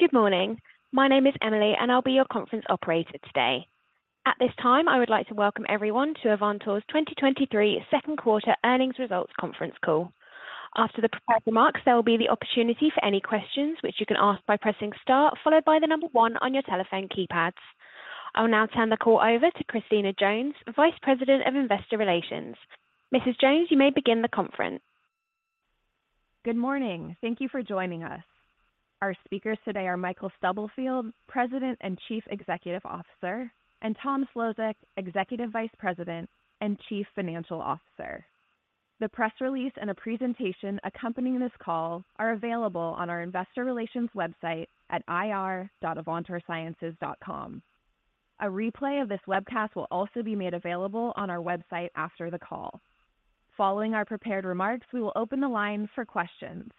Good morning. My name is Emily, and I'll be your conference operator today. At this time, I would like to welcome everyone to Avantor's 2023 second quarter earnings results conference call. After the prepared remarks, there will be the opportunity for any questions, which you can ask by pressing star, followed by the number one on your telephone keypads. I will now turn the call over to Christina Jones, Vice President, Investor Relations. Mrs. Jones, you may begin the conference. Good morning. Thank you for joining us. Our speakers today are Michael Stubblefield, President and Chief Executive Officer, and Thomas Szlosek, Executive Vice President and Chief Financial Officer. The press release and a presentation accompanying this call are available on our Investor Relations website at ir.avantorsciences.com. A replay of this webcast will also be made available on our website after the call. Following our prepared remarks, we will open the line for questions.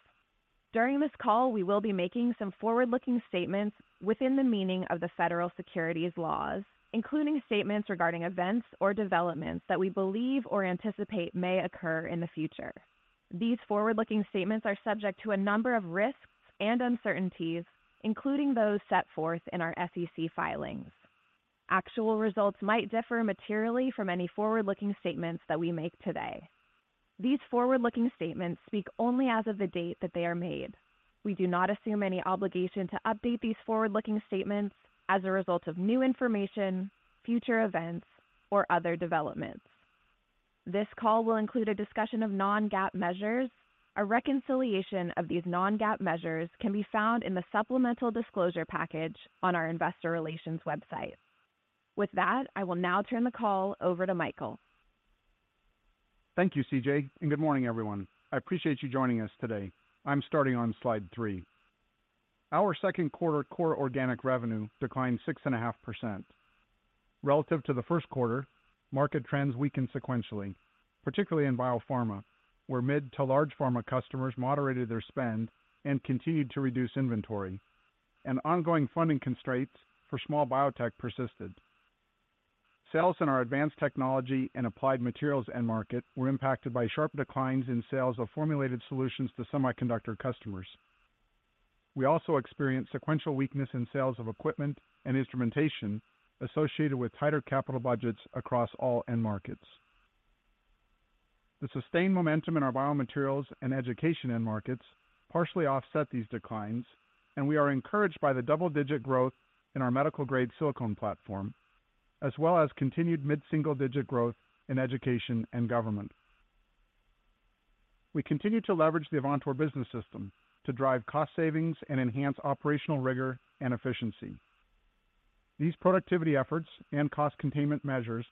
During this call, we will be making some forward-looking statements within the meaning of the federal securities laws, including statements regarding events or developments that we believe or anticipate may occur in the future. These forward-looking statements are subject to a number of risks and uncertainties, including those set forth in our SEC filings. Actual results might differ materially from any forward-looking statements that we make today. These forward-looking statements speak only as of the date that they are made. We do not assume any obligation to update these forward-looking statements as a result of new information, future events, or other developments. This call will include a discussion of non-GAAP measures. A reconciliation of these non-GAAP measures can be found in the supplemental disclosure package on our investor relations website. With that, I will now turn the call over to Michael. Thank you, CJ, and good morning, everyone. I appreciate you joining us today. I'm starting on slide three. Our second quarter core organic revenue declined 6.5%. Relative to the first quarter, market trends weakened sequentially, particularly in Biopharma, where mid to large pharma customers moderated their spend and continued to reduce inventory, and ongoing funding constraints for small biotech persisted. Sales in our Advanced Technologies & Applied Materials end market were impacted by sharp declines in sales of formulated solutions to semiconductor customers. We also experienced sequential weakness in sales of equipment and instrumentation associated with tighter capital budgets across all end markets. The sustained momentum in our biomaterials and education end markets partially offset these declines, and we are encouraged by the double-digit growth in our medical-grade silicone platform, as well as continued mid-single-digit growth in Education & Government. We continue to leverage the Avantor Business System to drive cost savings and enhance operational rigor and efficiency. These productivity efforts and cost containment measures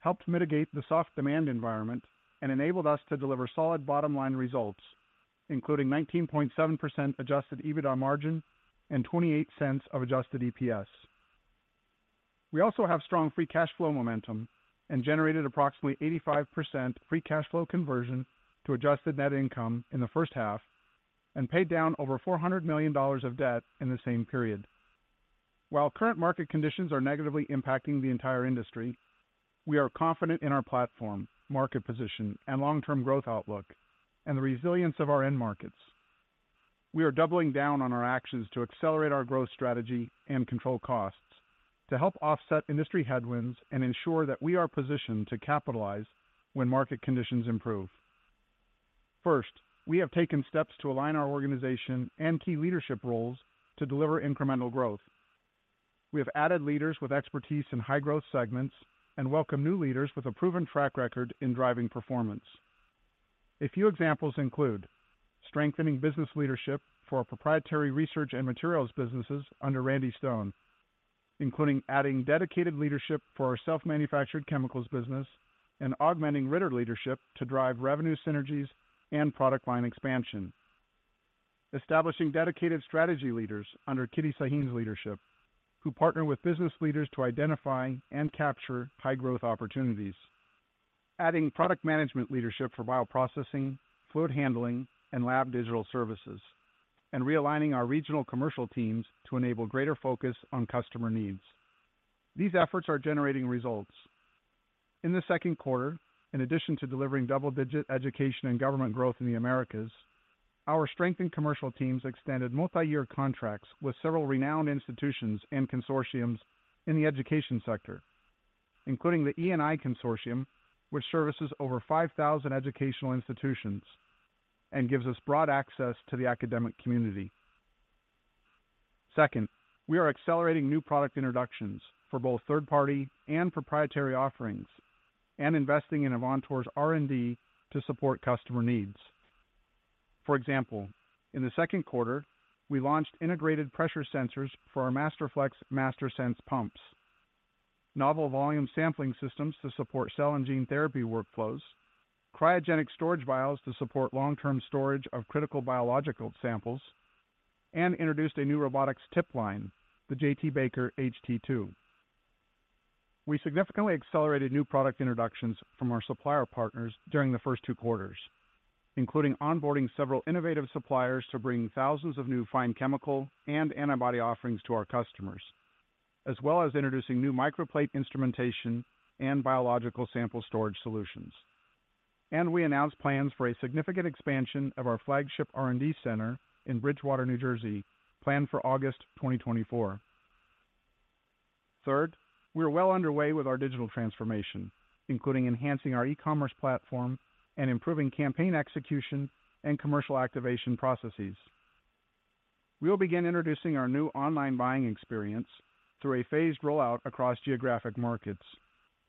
helped mitigate the soft demand environment and enabled us to deliver solid bottom-line results, including 19.7% adjusted EBITDA margin and $0.28 of adjusted EPS. We also have strong free cash flow momentum and generated approximately 85% free cash flow conversion to adjusted net income in the first half and paid down over $400 million of debt in the same period. While current market conditions are negatively impacting the entire industry, we are confident in our platform, market position, and long-term growth outlook, and the resilience of our end markets. We are doubling down on our actions to accelerate our growth strategy and control costs to help offset industry headwinds and ensure that we are positioned to capitalize when market conditions improve. First, we have taken steps to align our organization and key leadership roles to deliver incremental growth. We have added leaders with expertise in high-growth segments and welcome new leaders with a proven track record in driving performance. A few examples include: strengthening business leadership for our proprietary research and materials businesses under Randy Stone, including adding dedicated leadership for our self-manufactured chemicals business and augmenting Ritter leadership to drive revenue synergies and product line expansion. Establishing dedicated strategy leaders under Kitty Sahin's leadership, who partner with business leaders to identify and capture high-growth opportunities. Adding product management leadership for bioprocessing, fluid handling, and lab digital services, and realigning our regional commercial teams to enable greater focus on customer needs. These efforts are generating results. In the second quarter, in addition to delivering double-digit Education & Government growth in the Americas, our strengthened commercial teams extended multi-year contracts with several renowned institutions and consortiums in the education sector, including the E&I Cooperative Services, which services over 5,000 educational institutions and gives us broad access to the academic community. Second, we are accelerating new product introductions for both third-party and proprietary offerings and investing in Avantor's R&D to support customer needs. For example, in the second quarter, we launched integrated pressure sensors for our Masterflex MasterSense pumps, novel volume sampling systems to support cell and gene therapy workflows, cryogenic storage vials to support long-term storage of critical biological samples, and introduced a new robotics tip line, the J.T.Baker HT 2. We significantly accelerated new product introductions from our supplier partners during the first two quarters, including onboarding several innovative suppliers to bring thousands of new fine chemical and antibody offerings to our customers, as well as introducing new microplate instrumentation and biological sample storage solutions. We announced plans for a significant expansion of our flagship R&D center in Bridgewater, New Jersey, planned for August 2024. Third, we are well underway with our digital transformation, including enhancing our e-commerce platform and improving campaign execution and commercial activation processes. We will begin introducing our new online buying experience through a phased rollout across geographic markets,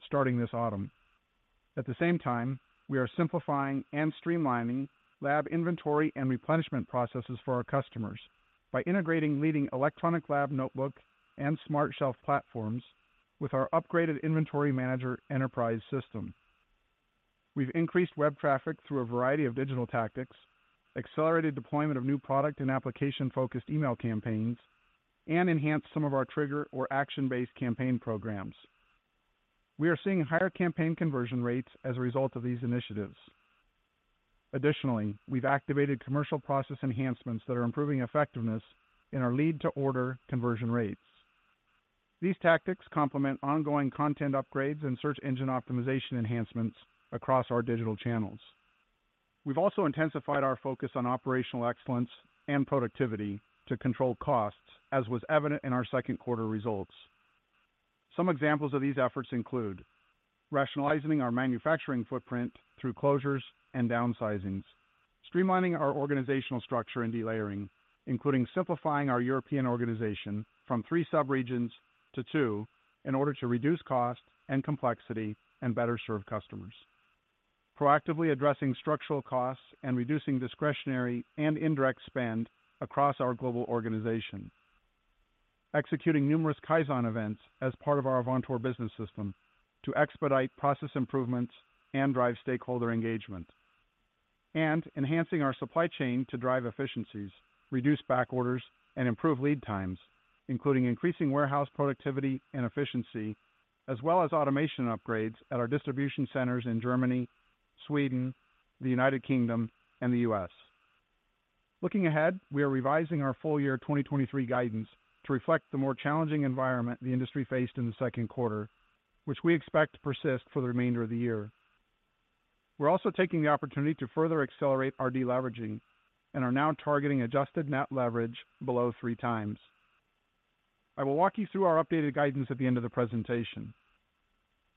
starting this autumn. At the same time, we are simplifying and streamlining lab inventory and replenishment processes for our customers by integrating leading electronic lab notebook and smart shelf platforms with our upgraded Inventory Manager Enterprise system. We've increased web traffic through a variety of digital tactics, accelerated deployment of new product and application-focused email campaigns, and enhanced some of our trigger or action-based campaign programs. We are seeing higher campaign conversion rates as a result of these initiatives. Additionally, we've activated commercial process enhancements that are improving effectiveness in our lead to order conversion rates. These tactics complement ongoing content upgrades and search engine optimization enhancements across our digital channels. We've also intensified our focus on operational excellence and productivity to control costs, as was evident in our second quarter results. Some examples of these efforts include: rationalizing our manufacturing footprint through closures and downsizings, streamlining our organizational structure and delayering, including simplifying our European organization from three subregions to two in order to reduce cost and complexity and better serve customers. Proactively addressing structural costs and reducing discretionary and indirect spend across our global organization. Executing numerous Kaizen events as part of our Avantor Business System to expedite process improvements and drive stakeholder engagement. Enhancing our supply chain to drive efficiencies, reduce back orders, and improve lead times, including increasing warehouse productivity and efficiency, as well as automation upgrades at our distribution centers in Germany, Sweden, the United Kingdom, and the U.S. Looking ahead, we are revising our full-year 2023 guidance to reflect the more challenging environment the industry faced in the second quarter, which we expect to persist for the remainder of the year. We're also taking the opportunity to further accelerate our deleveraging and are now targeting adjusted net leverage below 3x. I will walk you through our updated guidance at the end of the presentation.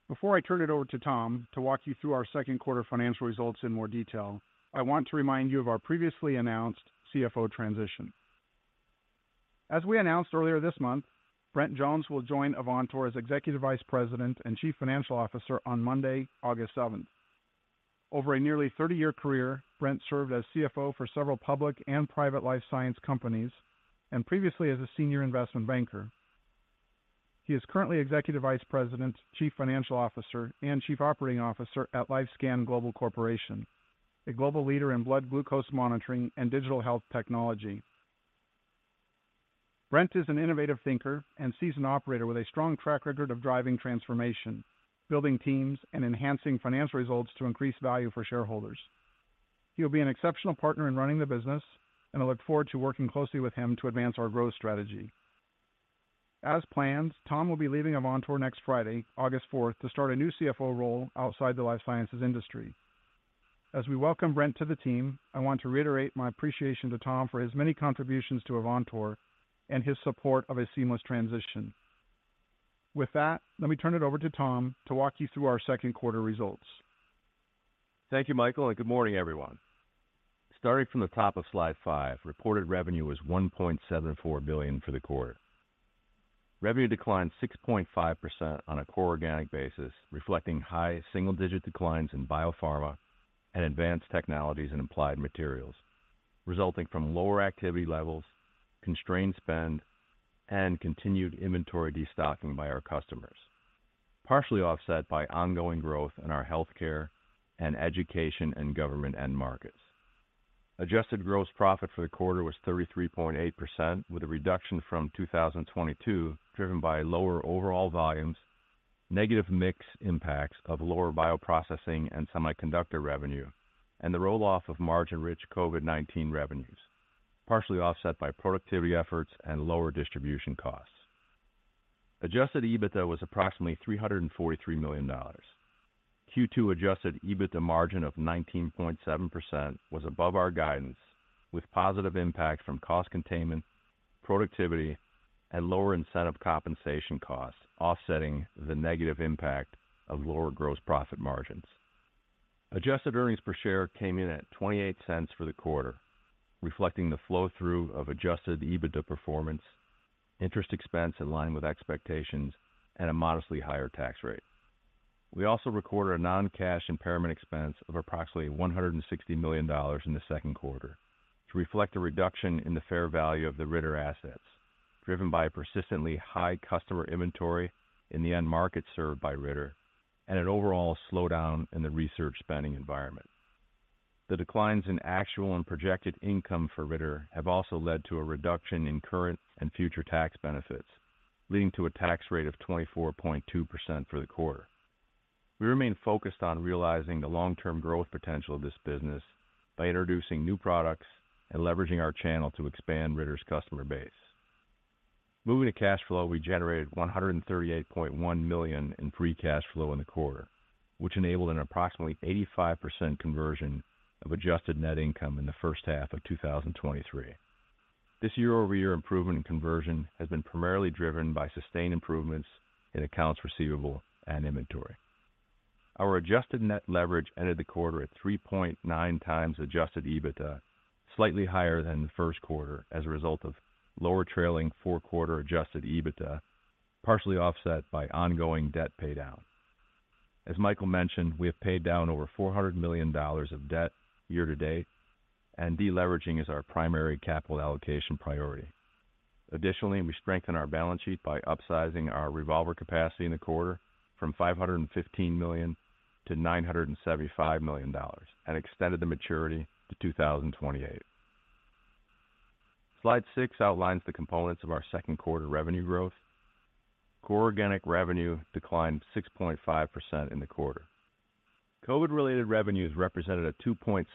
Before I turn it over to Tom to walk you through our second quarter financial results in more detail, I want to remind you of our previously announced CFO transition. As we announced earlier this month, Brent Jones will join Avantor as Executive Vice President and Chief Financial Officer on Monday, August 7. Over a nearly 30-year career, Brent served as CFO for several public and private life science companies and previously as a senior investment banker. He is currently Executive Vice President, Chief Financial Officer, and Chief Operating Officer at LifeScan Global Corporation, a global leader in blood glucose monitoring and digital health technology. Brent is an innovative thinker and seasoned operator with a strong track record of driving transformation, building teams, and enhancing financial results to increase value for shareholders. He will be an exceptional partner in running the business, and I look forward to working closely with him to advance our growth strategy. As planned, Tom will be leaving Avantor next Friday, August 4, to start a new CFO role outside the life sciences industry. As we welcome Brent to the team, I want to reiterate my appreciation to Tom for his many contributions to Avantor and his support of a seamless transition. With that, let me turn it over to Tom to walk you through our second quarter results. Thank you, Michael. Good morning, everyone. Starting from the top of slide five, reported revenue was $1.74 billion for the quarter. Revenue declined 6.5% on a core organic basis, reflecting high single-digit declines in Biopharma and Advanced Technologies & Applied Materials end market, resulting from lower activity levels, constrained spend, and continued inventory destocking by our customers, partially offset by ongoing growth in our healthcare and Education & Government end markets. Adjusted gross profit for the quarter was 33.8%, with a reduction from 2022, driven by lower overall volumes, negative mix impacts of lower bioprocessing and semiconductor revenue, and the roll-off of margin-rich COVID-19 revenues, partially offset by productivity efforts and lower distribution costs. Adjusted EBITDA was approximately $343 million. Q2 adjusted EBITDA margin of 19.7% was above our guidance, with positive impacts from cost containment, productivity, and lower incentive compensation costs offsetting the negative impact of lower gross profit margins. Adjusted earnings per share came in at $0.28 for the quarter, reflecting the flow-through of adjusted EBITDA performance, interest expense in line with expectations, and a modestly higher tax rate. We also recorded a non-cash impairment expense of approximately $160 million in the second quarter to reflect a reduction in the fair value of the Ritter assets, driven by a persistently high customer inventory in the end market served by Ritter and an overall slowdown in the research spending environment. The declines in actual and projected income for Ritter have also led to a reduction in current and future tax benefits, leading to a tax rate of 24.2% for the quarter. We remain focused on realizing the long-term growth potential of this business by introducing new products and leveraging our channel to expand Ritter's customer base. Moving to cash flow, we generated $138.1 million in free cash flow in the quarter, which enabled an approximately 85% conversion of adjusted net income in the first half of 2023. This year-over-year improvement in conversion has been primarily driven by sustained improvements in accounts receivable and inventory. Our adjusted net leverage ended the quarter at 3.9x adjusted EBITDA, slightly higher than the first quarter as a result of lower trailing four-quarter adjusted EBITDA, partially offset by ongoing debt paydown. As Michael mentioned, we have paid down over $400 million of debt year-to-date. Deleveraging is our primary capital allocation priority. Additionally, we strengthened our balance sheet by upsizing our revolver capacity in the quarter from $515 million to $975 million and extended the maturity to 2028. Slide six outlines the components of our second quarter revenue growth. Core organic revenue declined 6.5% in the quarter. COVID-related revenues represented a 2.6%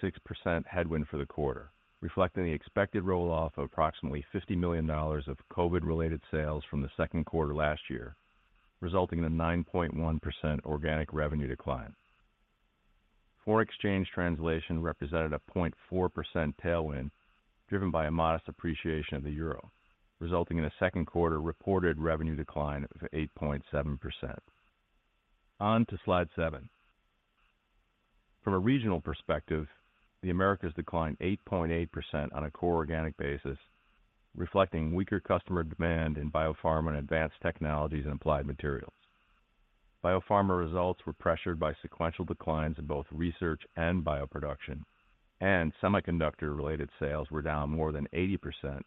headwind for the quarter, reflecting the expected roll-off of approximately $50 million of COVID-related sales from the second quarter last year, resulting in a 9.1% organic revenue decline. Foreign exchange translation represented a 0.4% tailwind, driven by a modest appreciation of the euro, resulting in a second quarter reported revenue decline of 8.7%. On to Slide seven. From a regional perspective, the Americas declined 8.8% on a core organic basis, reflecting weaker customer demand in Biopharma and Advanced Technologies & Applied Materials. Biopharma results were pressured by sequential declines in both research and bioproduction, and semiconductor-related sales were down more than 80%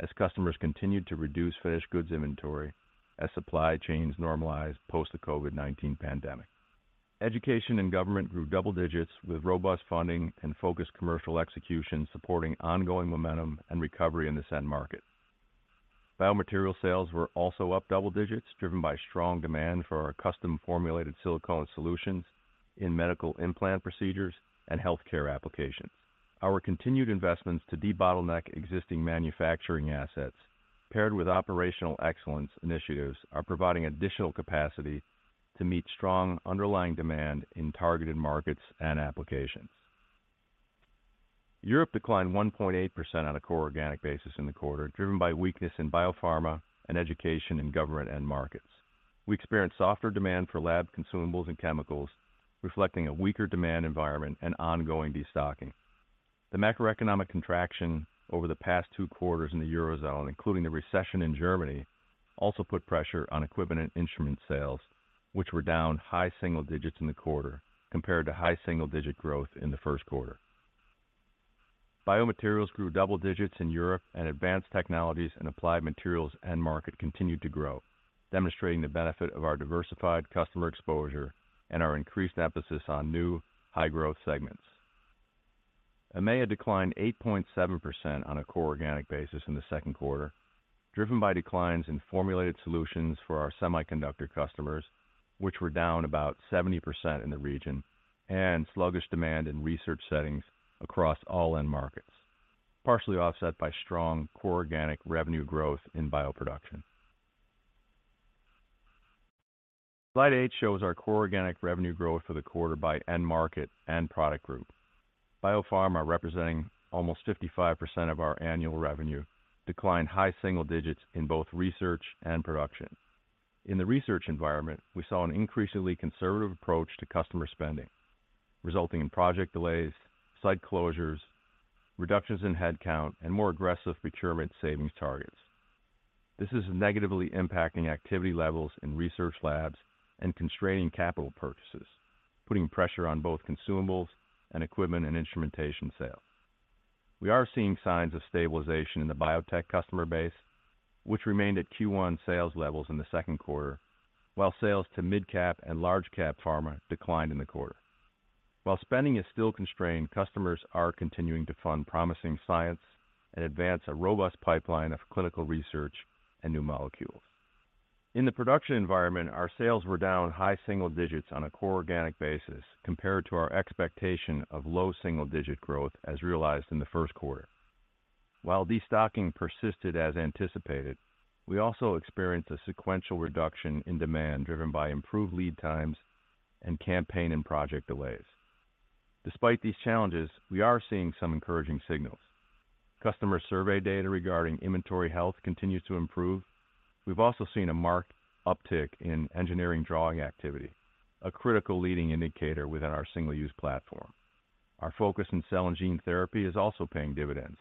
as customers continued to reduce finished goods inventory as supply chains normalized post the COVID-19 pandemic. Education & Government grew double digits, with robust funding and focused commercial execution, supporting ongoing momentum and recovery in this end market. Biomaterial sales were also up double digits, driven by strong demand for our custom-formulated silicone solutions in medical implant procedures and healthcare applications. Our continued investments to debottleneck existing manufacturing assets, paired with operational excellence initiatives, are providing additional capacity to meet strong underlying demand in targeted markets and applications. Europe declined 1.8% on a core organic basis in the quarter, driven by weakness in Biopharma and Education & Government end markets. We experienced softer demand for lab consumables and chemicals, reflecting a weaker demand environment and ongoing destocking. The macroeconomic contraction over the past two quarters in the Eurozone, including the recession in Germany, also put pressure on equipment and instrument sales, which were down high single digits in the quarter compared to high single-digit growth in the first quarter. Biomaterials grew double digits in Europe, and Advanced Technologies & Applied Materials end market continued to grow, demonstrating the benefit of our diversified customer exposure and our increased emphasis on new, high-growth segments. AMEA declined 8.7% on a core organic basis in the second quarter, driven by declines in formulated solutions for our semiconductor customers, which were down about 70% in the region, and sluggish demand in research settings across all end markets, partially offset by strong core organic revenue growth in bioproduction. Slide eight shows our core organic revenue growth for the quarter by end market and product group. Biopharma, representing almost 55% of our annual revenue, declined high single digits in both research and production. In the research environment, we saw an increasingly conservative approach to customer spending, resulting in project delays, site closures, reductions in headcount, and more aggressive procurement savings targets. This is negatively impacting activity levels in research labs and constraining capital purchases, putting pressure on both consumables and equipment and instrumentation sales. We are seeing signs of stabilization in the biotech customer base, which remained at Q1 sales levels in the second quarter, while sales to mid-cap and large-cap pharma declined in the quarter. While spending is still constrained, customers are continuing to fund promising science and advance a robust pipeline of clinical research and new molecules. In the production environment, our sales were down high single digits on a core organic basis compared to our expectation of low double single-digit growth as realized in the first quarter. While destocking persisted as anticipated, we also experienced a sequential reduction in demand driven by improved lead times and campaign and project delays. Despite these challenges, we are seeing some encouraging signals. Customer survey data regarding inventory health continues to improve. We've also seen a marked uptick in engineering drawing activity, a critical leading indicator within our single-use platform. Our focus in cell and gene therapy is also paying dividends,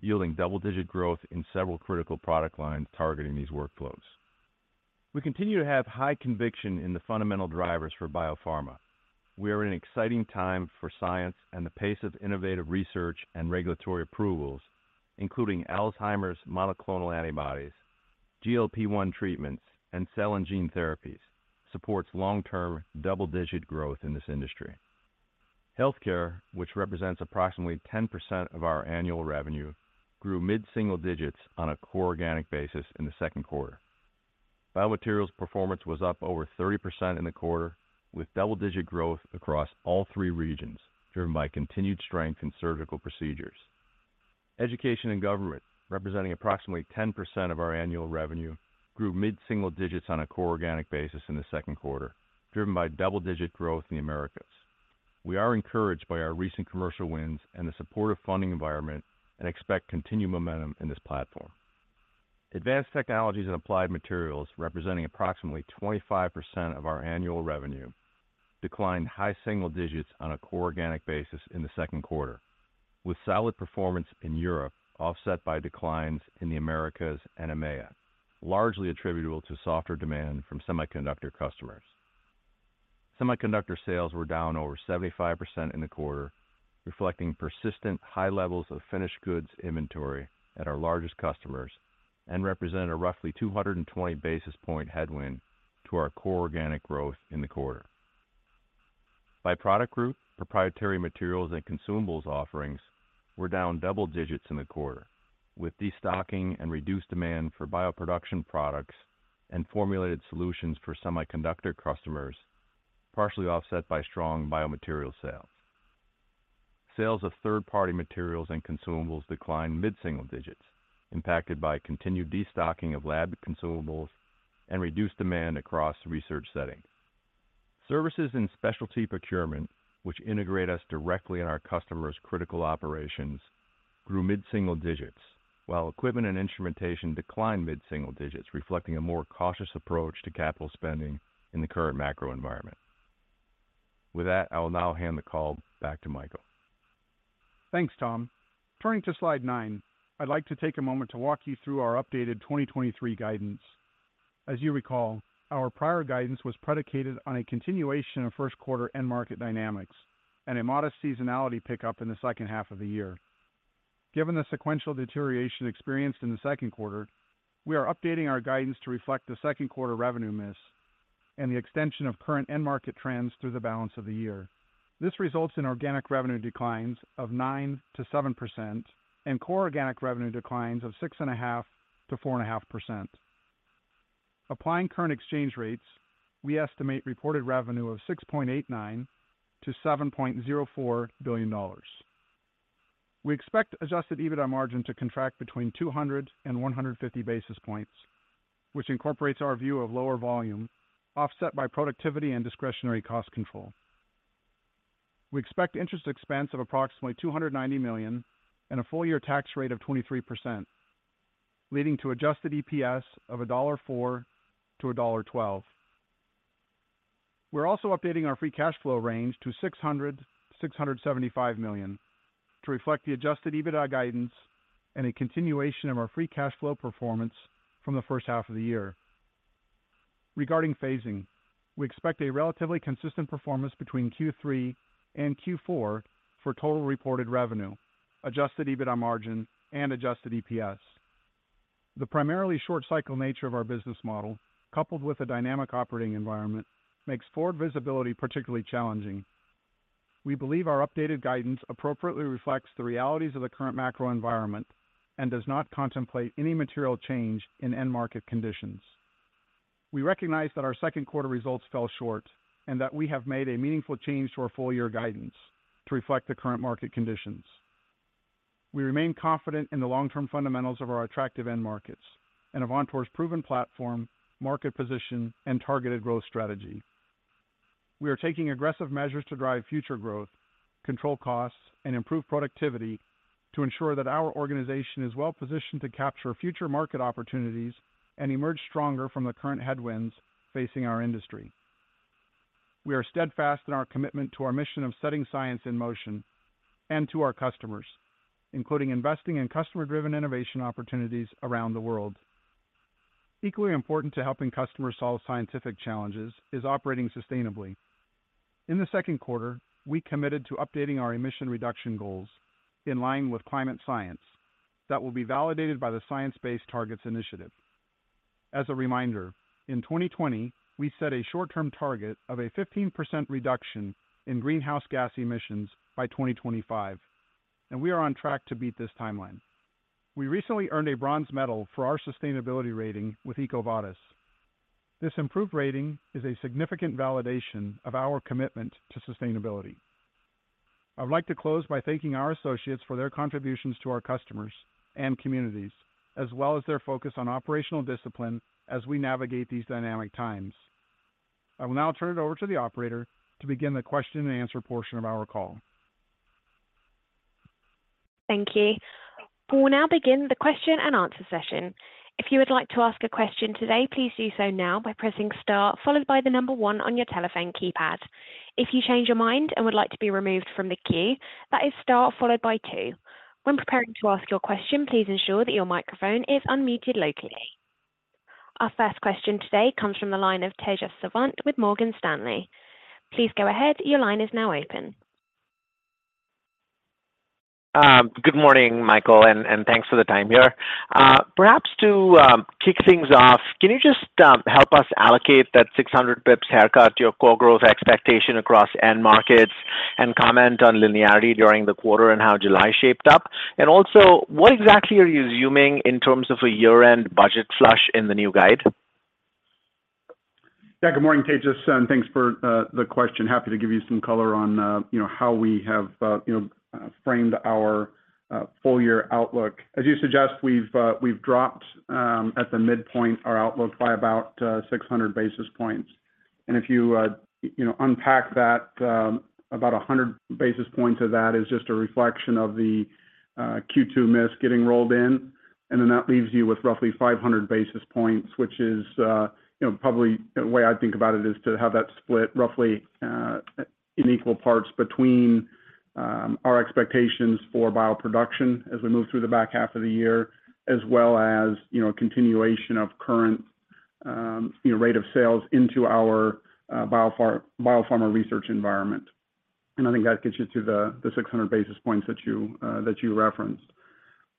yielding double-digit growth in several critical product lines targeting these workflows. We continue to have high conviction in the fundamental drivers for biopharma. The pace of innovative research and regulatory approvals, including Alzheimer's monoclonal antibodies, GLP-1 treatments, and cell and gene therapies, supports long-term double-digit growth in this industry. Healthcare, which represents approximately 10% of our annual revenue, grew mid-single digits on a core organic basis in the second quarter. Biomaterials performance was up over 30% in the quarter, with double-digit growth across all three regions, driven by continued strength in surgical procedures. Education & Government, representing approximately 10% of our annual revenue, grew mid-single digits on a core organic basis in the second quarter, driven by double-digit growth in the Americas. We are encouraged by our recent commercial wins and the supportive funding environment and expect continued momentum in this platform. Advanced Technologies & Applied Materials, representing approximately 25% of our annual revenue, declined high single digits on a core organic basis in the second quarter, with solid performance in Europe, offset by declines in the Americas and AMEA, largely attributable to softer demand from semiconductor customers. Semiconductor sales were down over 75% in the quarter, reflecting persistent high levels of finished goods inventory at our largest customers, and represented a roughly 220 basis point headwind to our core organic growth in the quarter. By product group, proprietary materials and consumables offerings were down double digits in the quarter, with destocking and reduced demand for bioproduction products and formulated solutions for semiconductor customers, partially offset by strong biomaterial sales. Sales of third-party materials and consumables declined mid-single digits, impacted by continued destocking of lab consumables and reduced demand across research settings. Services and specialty procurement, which integrate us directly in our customers' critical operations, grew mid-single digits, while equipment and instrumentation declined mid-single digits, reflecting a more cautious approach to capital spending in the current macro environment. With that, I will now hand the call back to Michael. Thanks, Tom. Turning to slide nine, I'd like to take a moment to walk you through our updated 2023 guidance. As you recall, our prior guidance was predicated on a continuation of first quarter end market dynamics and a modest seasonality pickup in the second half of the year. Given the sequential deterioration experienced in the second quarter, we are updating our guidance to reflect the second quarter revenue miss and the extension of current end market trends through the balance of the year. This results in organic revenue declines of 9%-7% and core organic revenue declines of 6.5%-4.5%. Applying current exchange rates, we estimate reported revenue of $6.89 billion-$7.04 billion. We expect adjusted EBITDA margin to contract between 200 basis points and 150 basis points, which incorporates our view of lower volume, offset by productivity and discretionary cost control. We expect interest expense of approximately $290 million and a full-year tax rate of 23%, leading to adjusted EPS of $1.04-$1.12. We're also updating our free cash flow range to $675 million to reflect the adjusted EBITDA guidance and a continuation of our free cash flow performance from the first half of the year. Regarding phasing, we expect a relatively consistent performance between Q3 and Q4 for total reported revenue, adjusted EBITDA margin, and adjusted EPS. The primarily short cycle nature of our business model, coupled with a dynamic operating environment, makes forward visibility particularly challenging. We believe our updated guidance appropriately reflects the realities of the current macro environment and does not contemplate any material change in end market conditions. We recognize that our second quarter results fell short and that we have made a meaningful change to our full year guidance to reflect the current market conditions. We remain confident in the long-term fundamentals of our attractive end markets and of Avantor's proven platform, market position, and targeted growth strategy. We are taking aggressive measures to drive future growth, control costs, and improve productivity to ensure that our organization is well positioned to capture future market opportunities and emerge stronger from the current headwinds facing our industry. We are steadfast in our commitment to our mission of setting science in motion and to our customers, including investing in customer-driven innovation opportunities around the world. Equally important to helping customers solve scientific challenges is operating sustainably. In the second quarter, we committed to updating our emission reduction goals in line with climate science that will be validated by the Science Based Targets Initiative. As a reminder, in 2020, we set a short-term target of a 15% reduction in greenhouse gas emissions by 2025, and we are on track to beat this timeline. We recently earned a bronze medal for our sustainability rating with EcoVadis. This improved rating is a significant validation of our commitment to sustainability. I'd like to close by thanking our associates for their contributions to our customers and communities, as well as their focus on operational discipline as we navigate these dynamic times. I will now turn it over to the operator to begin the question and answer portion of our call. Thank you. We will now begin the question-and-answer session. If you would like to ask a question today, please do so now by pressing star, followed by one on your telephone keypad. If you change your mind and would like to be removed from the queue, that is star followed by two. When preparing to ask your question, please ensure that your microphone is unmuted locally. Our first question today comes from the line of Tejas Savant with Morgan Stanley. Please go ahead. Your line is now open. Good morning, Michael, and thanks for the time here. Perhaps to kick things off, can you just help us allocate that 600 basis points haircut to your core growth expectation across end markets? Comment on linearity during the quarter and how July shaped up? Also, what exactly are you assuming in terms of a year-end budget flush in the new guide? Yeah, good morning, Tejas, thanks for the question. Happy to give you some color on, you know, how we have, you know, framed our full-year outlook. As you suggest, we've, we've dropped, at the midpoint, our outlook by about 600 basis points. If you, you know, unpack that, about 100 basis points of that is just a reflection of the Q2 miss getting rolled in. That leaves you with roughly 500 basis points, which is, you know, probably, the way I think about it is to have that split roughly in equal parts between our expectations for bioproduction as we move through the back half of the year, as well as, you know, a continuation of current, you know, rate of sales into our biopharma research environment. I think that gets you to the, the 600 basis points that you that you referenced.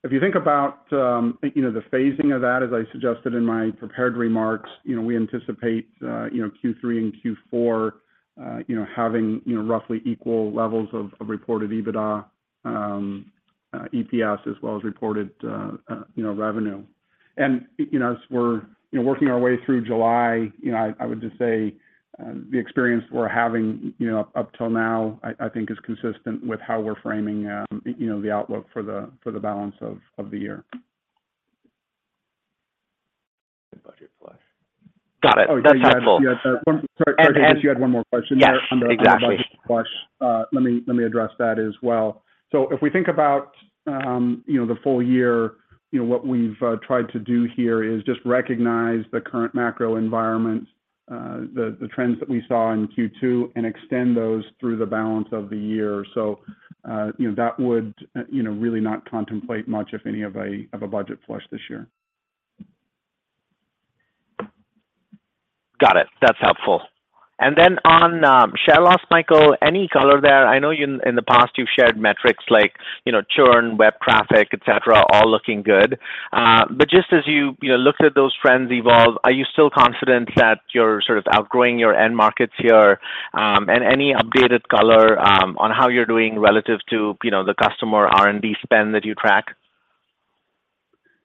If you think about, you know, the phasing of that, as I suggested in my prepared remarks, you know, we anticipate, you know, Q3 and Q4, you know, having, you know, roughly equal levels of reported EBITDA, EPS, as well as reported, you know, revenue. You know, as we're, you know, working our way through July, you know, I, I would just say, the experience we're having, you know, up, up till now, I, I think is consistent with how we're framing, you know, the outlook for the, for the balance of, of the year. The budget flush. Got it. That's helpful. Oh, yeah, you had one. Sorry, sorry. You had one more question. Yes, exactly. Let me, let me address that as well. If we think about, you know, the full year, you know, what we've tried to do here is just recognize the current macro environment, the trends that we saw in Q2, and extend those through the balance of the year. You know, that would, you know, really not contemplate much of any of a, of a budget flush this year. Got it. That's helpful. Then on, share loss, Michael, any color there? I know you in, in the past you've shared metrics like, you know, churn, web traffic, et cetera, all looking good. Just as you, you know, look at those trends evolve, are you still confident that you're sort of outgrowing your end markets here? Any updated color on how you're doing relative to, you know, the customer R&D spend that you track?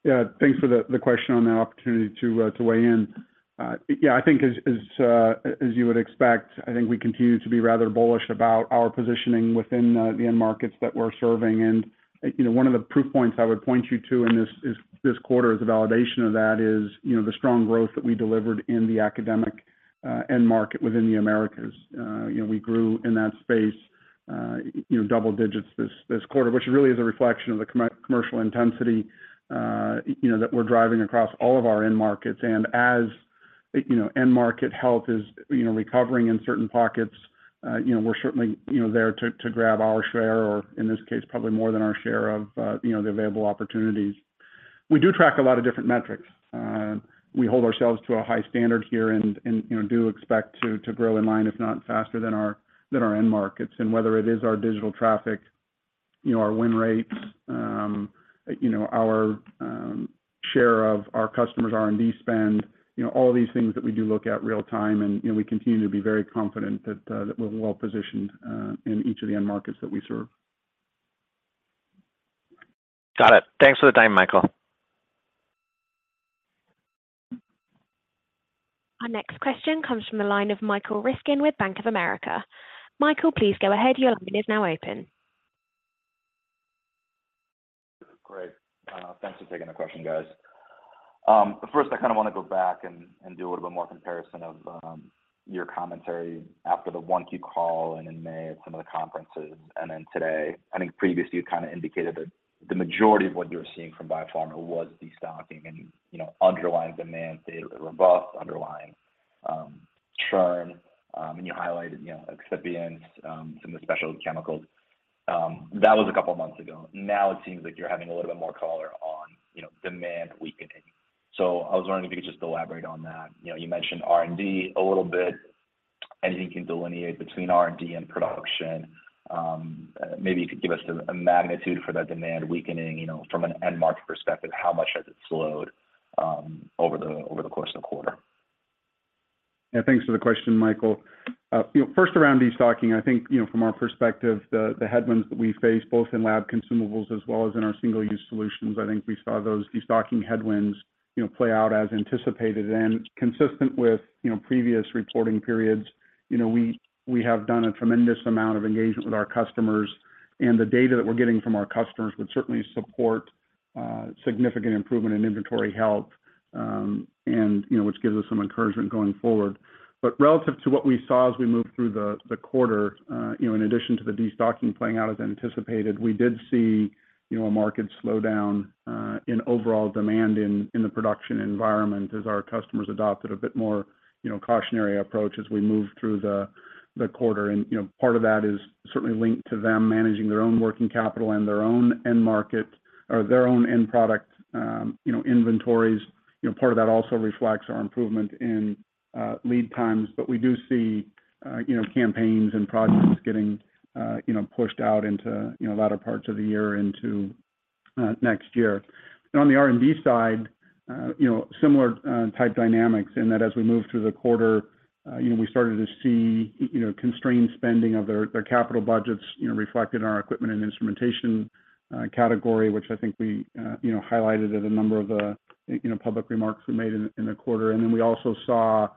Yeah. Thanks for the question on that opportunity to weigh in. Yeah, I think as, as you would expect, I think we continue to be rather bullish about our positioning within the end markets that we're serving. You know, one of the proof points I would point you to in this, is this quarter, as a validation of that is, you know, the strong growth that we delivered in the academic end market within the Americas. You know, we grew in that space, you know, double digits this quarter, which really is a reflection of the commercial intensity, you know, that we're driving across all of our end markets. As, you know, end market health is, you know, recovering in certain pockets, you know, we're certainly, you know, there to, to grab our share, or in this case, probably more than our share of, you know, the available opportunities. We do track a lot of different metrics. We hold ourselves to a high standard here and, and, you know, do expect to, to grow in line, if not faster than our, than our end markets. Whether it is our digital traffic, you know, our win rates, you know, our share of our customers' R&D spend, you know, all of these things that we do look at real-time, and, you know, we continue to be very confident that we're well positioned in each of the end markets that we serve. Got it. Thanks for the time, Michael. Our next question comes from the line of Michael Ryskin with Bank of America. Michael, please go ahead. Your line is now open. Great. thanks for taking the question, guys. First, I kind of want to go back and, and do a little bit more comparison of your commentary after the 1Q call and in May at some of the conferences and then today. I think previously, you kind of indicated that the majority of what you were seeing from Biopharma was destocking and, you know, underlying demand stayed robust, underlying churn, and you highlighted, you know, excipients, some of the special chemicals. That was a couple of months ago. Now, it seems like you're having a little bit more color on, you know, demand weakening. I was wondering if you could just elaborate on that. You know, you mentioned R&D a little bit. Anything you can delineate between R&D and production? Maybe you could give us a magnitude for that demand weakening, you know, from an end-market perspective, how much has it slowed over the course of the quarter? Yeah, thanks for the question, Michael. you know, first, around destocking, I think, you know, from our perspective, the, the headwinds that we face, both in lab consumables as well as in our single-use solutions, I think we saw those destocking headwinds, you know, play out as anticipated. Consistent with, you know, previous reporting periods, you know, we, we have done a tremendous amount of engagement with our customers, and the data that we're getting from our customers would certainly support, significant improvement in inventory health, and, you know, which gives us some encouragement going forward. Relative to what we saw as we moved through the quarter, you know, in addition to the destocking playing out as anticipated, we did see, you know, a market slowdown in overall demand in the production environment as our customers adopted a bit more, you know, cautionary approach as we moved through the quarter. You know, part of that is certainly linked to them managing their own working capital and their own end market, or their own end product, you know, inventories. You know, part of that also reflects our improvement in lead times, but we do see, you know, campaigns and projects getting, you know, pushed out into, you know, latter parts of the year into next year. On the R&D side, you know, similar type dynamics in that as we moved through the quarter, you know, we started to see, you know, constrained spending of their, their capital budgets, you know, reflected in our equipment and instrumentation category, which I think we, you know, highlighted at a number of the, you know, public remarks we made in, in the quarter. Then we also saw,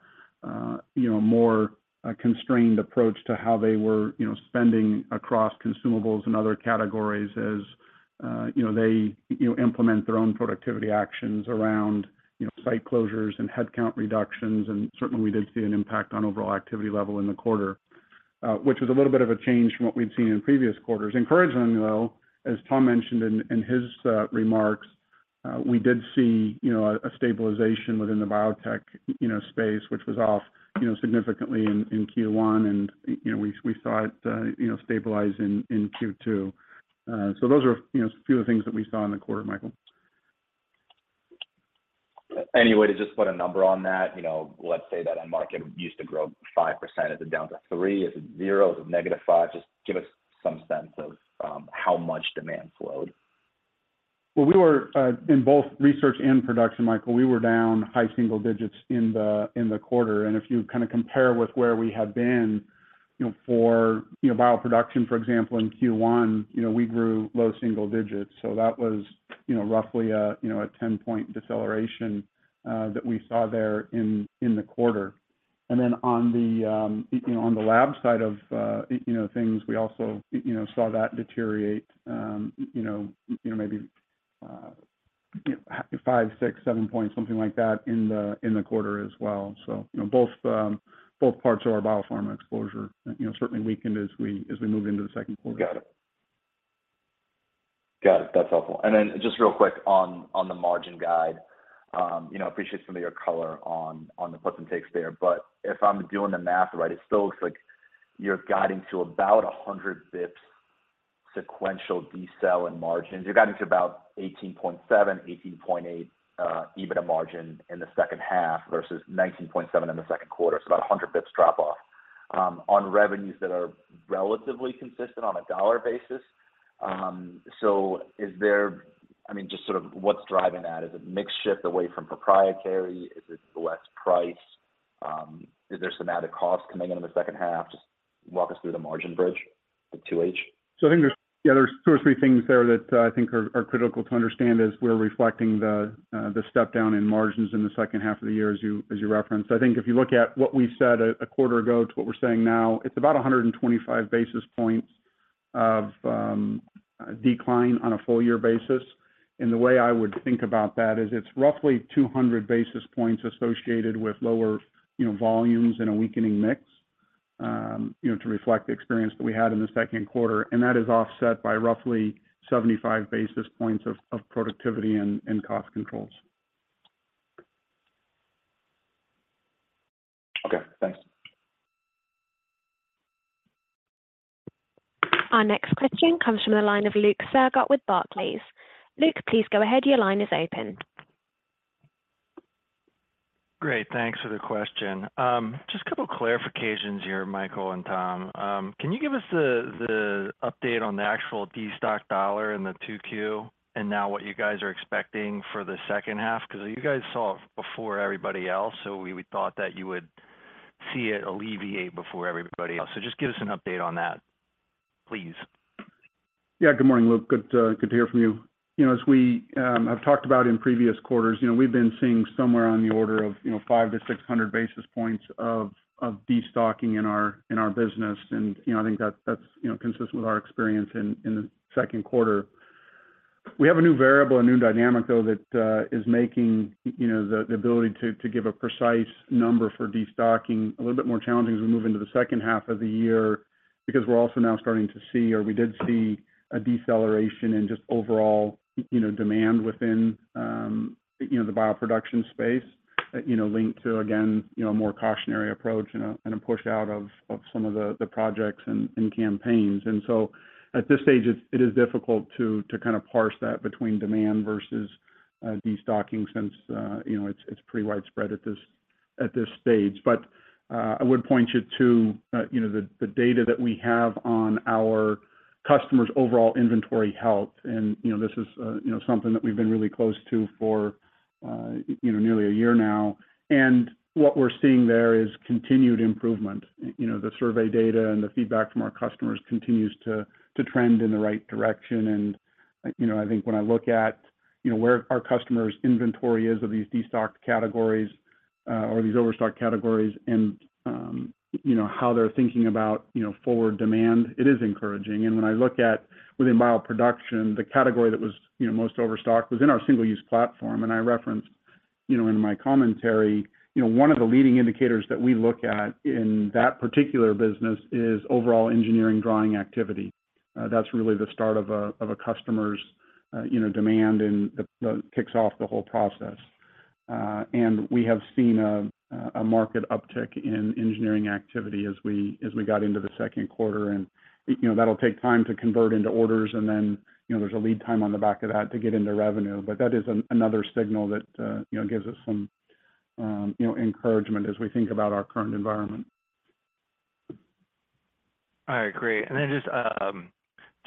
you know, more, a constrained approach to how they were, you know, spending across consumables and other categories as, you know, they, you know, implement their own productivity actions around, you know, site closures and headcount reductions. Certainly, we did see an impact on overall activity level in the quarter, which was a little bit of a change from what we'd seen in previous quarters. Encouraging, though, as Tom mentioned in, in his remarks, we did see, you know, a, a stabilization within the biotech, you know, space, which was off, you know, significantly in, in Q1, and, you know, we, we saw it, you know, stabilize in, in Q2. Those are, you know, a few of the things that we saw in the quarter, Michael. Any way to just put a number on that? You know, let's say that our market used to grow 5%, is it down to 3%? Is it 0%? Is it -5%? Just give us some sense of, how much demand slowed. Well, we were in both research and production, Michael, we were down high single digits in the, in the quarter. If you kind of compare with where we had been, you know, for, you know, bioproduction, for example, in Q1, you know, we grew low single digits. That was, you know, roughly a, you know, a 10-point deceleration that we saw there in, in the quarter. Then on the, you know, on the lab side of, you know, things, we also, you know, saw that deteriorate, you know, you know, maybe 5, 6, 7 points, something like that, in the, in the quarter as well. You know, both, both parts of our Biopharma exposure, you know, certainly weakened as we, as we moved into the second quarter. Got it. Got it. That's helpful. Then just real quick on, on the margin guide, you know, appreciate some of your color on, on the puts and takes there, but if I'm doing the math right, it still looks like you're guiding to about 100 basis points sequential decel in margins. You're guiding to about 18.7%, 18.8% EBITDA margin in the second half versus 19.7% in the second quarter. About 100 basis points drop off on revenues that are relatively consistent on a dollar basis. Is there, I mean, just sort of what's driving that? Is it mix shift away from proprietary? Is it less price? Is there some added cost coming in in the second half? Just walk us through the margin bridge to 2H. I think there's, yeah, there's two or three things there that I think are, are critical to understand as we're reflecting the step down in margins in the second half of the year as you, as you referenced. I think if you look at what we said a, a quarter ago to what we're saying now, it's about 125 basis points of decline on a full-year basis. The way I would think about that is it's roughly 200 basis points associated with lower, you know, volumes and a weakening mix, you know, to reflect the experience that we had in the second quarter, and that is offset by roughly 75 basis points of productivity and cost controls. Okay, thanks. Our next question comes from the line of Luke Sergott with Barclays. Luke, please go ahead. Your line is open. Great, thanks for the question. Just a couple clarifications here, Michael and Tom. Can you give us the, the update on the actual destock dollar in the 2Q, and now what you guys are expecting for the second half? Because you guys saw it before everybody else, so we would thought that you would see it alleviate before everybody else. Just give us an update on that, please. Yeah. Good morning, Luke. Good to hear from you. You know, as we have talked about in previous quarters, you know, we've been seeing somewhere on the order of, you know, 500 basis points-600 basis points of, of destocking in our, in our business. You know, I think that's, that's, you know, consistent with our experience in, in the second quarter. We have a new variable, a new dynamic, though, that is making, you know, the, the ability to, to give a precise number for destocking a little bit more challenging as we move into the second half of the year, because we're also now starting to see, or we did see a deceleration in just overall, you know, demand within, you know, the bioproduction space, you know, linked to, again, you know, a more cautionary approach and a, and a push out of, of some of the, the projects and, and campaigns. At this stage, it, it is difficult to, to kind of parse that between demand versus destocking since, you know, it's, it's pretty widespread at this, at this stage. I would point you to, you know, the, the data that we have on our customers' overall inventory health. You know, this is, you know, something that we've been really close to for, you know, nearly a year now. What we're seeing there is continued improvement. You know, the survey data and the feedback from our customers continues to, to trend in the right direction. You know, I think when I look at, you know, where our customers' inventory is of these destock categories, or these overstock categories and, you know, how they're thinking about, you know, forward demand, it is encouraging. When I look at, within bioproduction, the category that was, you know, most overstock was in our single-use platform. I referenced, you know, in my commentary, you know, one of the leading indicators that we look at in that particular business is overall engineering drawing activity. That's really the start of a, of a customer's, you know, demand, and it kicks off the whole process. We have seen a, a market uptick in engineering activity as we, as we got into the second quarter. You know, that'll take time to convert into orders, and then, you know, there's a lead time on the back of that to get into revenue. That is another signal that, you know, gives us some, you know, encouragement as we think about our current environment. All right, great. Just two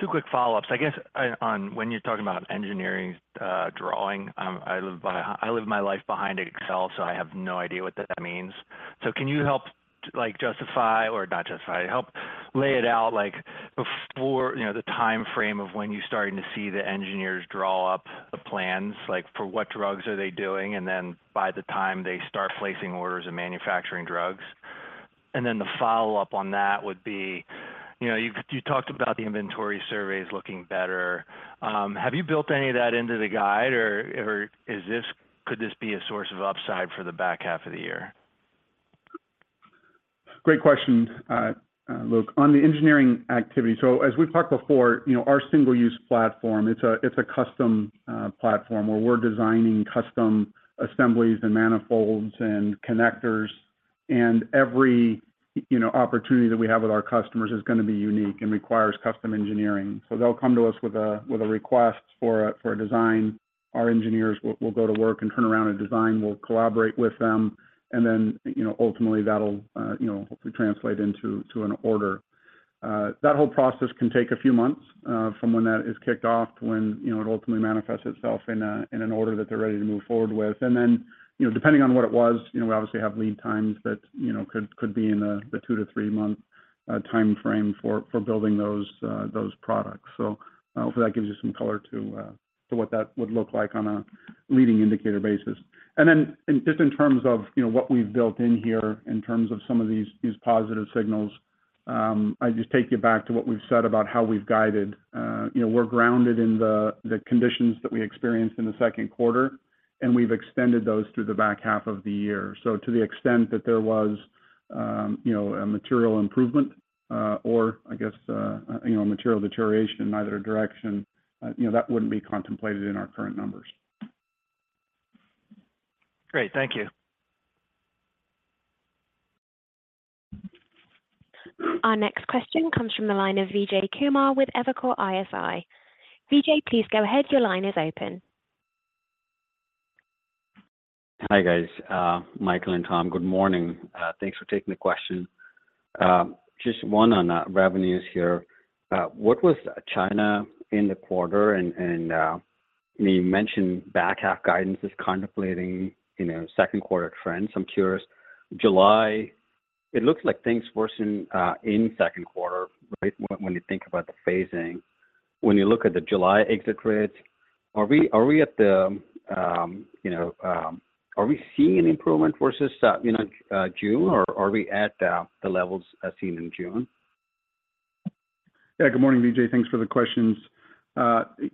quick follow-ups. I guess, on when you're talking about engineering drawing, I live my life behind Excel, so I have no idea what that means. Can you help to like, justify or not justify, help lay it out, like before, you know, the time frame of when you're starting to see the engineers draw up the plans, like, for what drugs are they doing? By the time they start placing orders and manufacturing drugs. The follow-up on that would be, you know, you talked about the inventory surveys looking better. Have you built any of that into the guide, or is this, could this be a source of upside for the back half of the year? Great questions, Luke. On the engineering activity, as we've talked before, you know, our single-use platform, it's a, it's a custom platform where we're designing custom assemblies and manifolds and connectors, and every, you know, opportunity that we have with our customers is gonna be unique and requires custom engineering. They'll come to us with a, with a request for a, for a design. Our engineers will, will go to work and turn around a design. We'll collaborate with them, and then, you know, ultimately, that'll, you know, hopefully translate into, to an order. That whole process can take a few months from when that is kicked off to when, you know, it ultimately manifests itself in a, in an order that they're ready to move forward with. You know, depending on what it was, you know, we obviously have lead times that, you know, could, could be in a two- to three-month time frame for, for building those, those products. Hopefully that gives you some color to what that would look like on a leading indicator basis. Just in terms of, you know, what we've built in here, in terms of some of these, these positive signals, I just take you back to what we've said about how we've guided. You know, we're grounded in the, the conditions that we experienced in the second quarter, and we've extended those through the back half of the year. To the extent that there was, you know, a material improvement, or I guess, you know, a material deterioration in either direction, you know, that wouldn't be contemplated in our current numbers. Great. Thank you. Our next question comes from the line of Vijay Kumar with Evercore ISI. Vijay, please go ahead. Your line is open. Hi, guys. Michael and Tom, good morning. Thanks for taking the question. Just one on revenues here. What was China in the quarter? You mentioned back half guidance is contemplating, you know, second quarter trends. I'm curious, July, it looks like things worsened in second quarter, right, when you think about the phasing. When you look at the July exit rates, are we, are we at the, you know, are we seeing an improvement versus, you know, June, or are we at the levels as seen in June? Yeah. Good morning, Vijay. Thanks for the questions.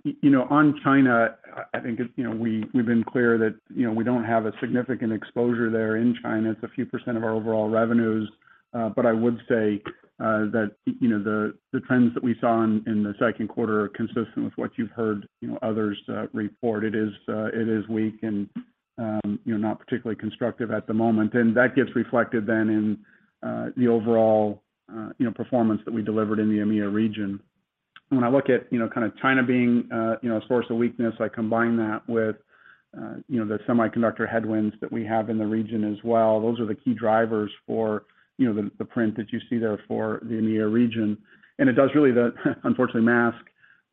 you know, on China, I, I think it's, you know, we've been clear that, you know, we don't have a significant exposure there in China. It's a few percent of our overall revenues. I would say that, you know, the, the trends that we saw in, in the second quarter are consistent with what you've heard, you know, others report. It is weak and, you know, not particularly constructive at the moment, and that gets reflected then in the overall, you know, performance that we delivered in the AMEA region. When I look at, you know, kind of China being, you know, a source of weakness, I combine that with, you know, the semiconductor headwinds that we have in the region as well. Those are the key drivers for, you know, the, the print that you see there for the AMEA region. It does really, the, unfortunately, mask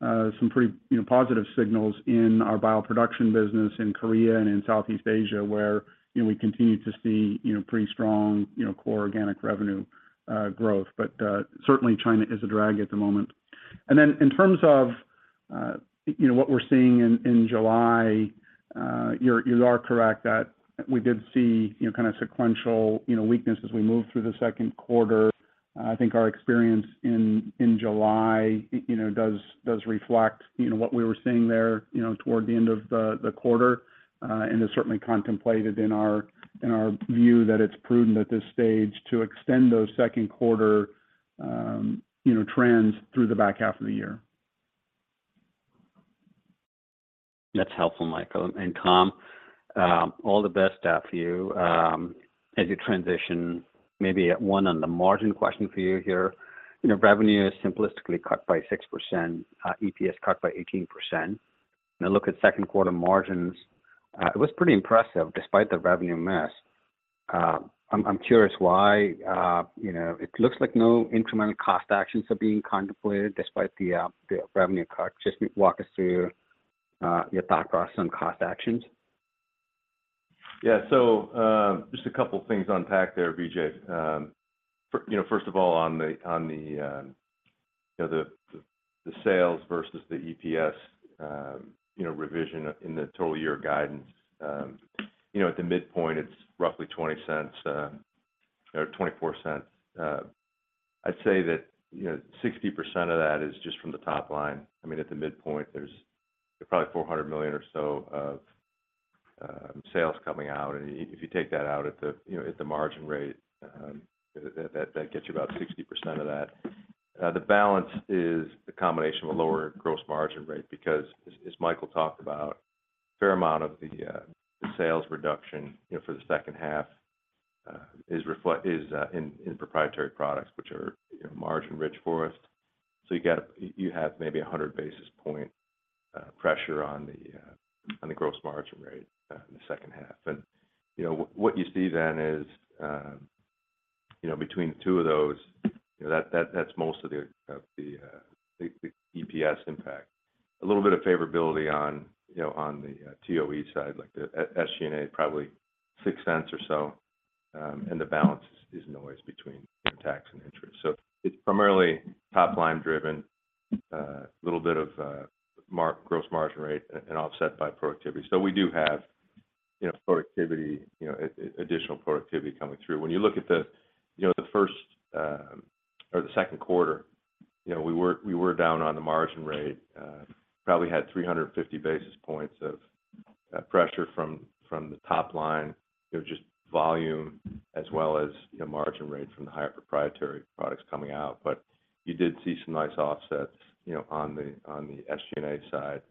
some pretty, you know, positive signals in our bioproduction business in Korea and in Southeast Asia, where, you know, we continue to see, you know, pretty strong, you know, core organic revenue growth. Certainly, China is a drag at the moment. Then in terms of, you know, what we're seeing in, in July, you are correct that we did see, you know, kind of sequential, you know, weakness as we moved through the second quarter. I think our experience in, in July, you know, does, does reflect, you know, what we were seeing there, you know, toward the end of the, the quarter. Is certainly contemplated in our, in our view, that it's prudent at this stage to extend those second quarter, you know, trends through the back half of the year. That's helpful, Michael. Tom, all the best to you as you transition. Maybe one on the margin question for you here. You know, revenue is simplistically cut by 6%, EPS cut by 18%. Look at second quarter margins, it was pretty impressive despite the revenue miss. I'm, I'm curious why, you know, it looks like no incremental cost actions are being contemplated despite the revenue cut. Just walk us through your thought process on cost actions? Yeah. Just a couple of things to unpack there, Vijay. You know, first of all, on the, on the, you know, the, the sales versus the EPS, you know, revision in the total year guidance, you know, at the midpoint, it's roughly $0.20, or $0.24. I'd say that, you know, 60% of that is just from the top line. I mean, at the midpoint, there's probably $400 million or so of sales coming out. If you take that out at the, you know, at the margin rate, that, that gets you about 60% of that. The balance is the combination with lower gross margin rate, because as, as Michael talked about, fair amount of the sales reduction, you know, for the second half, is in proprietary products, which are, you know, margin rich for us. You got, you, you have maybe 100 basis points pressure on the gross margin rate in the second half. You know, what, what you see then is, you know, between the two of those, you know, that, that, that's most of the, of the, the EPS impact. A little bit of favorability on, you know, on the TOE side, like SG&A, probably $0.06 or so, and the balance is noise between tax and interest. It's primarily top-line driven, little bit of gross margin rate and offset by productivity. We do have, you know, productivity, you know, additional productivity coming through. When you look at the, you know, the first or the second quarter, you know, we were, we were down on the margin rate, probably had 350 basis points of pressure from, from the top line, you know, just volume as well as the margin rate from the higher proprietary products coming out. You did see some nice offsets, you know, on the SG&A side,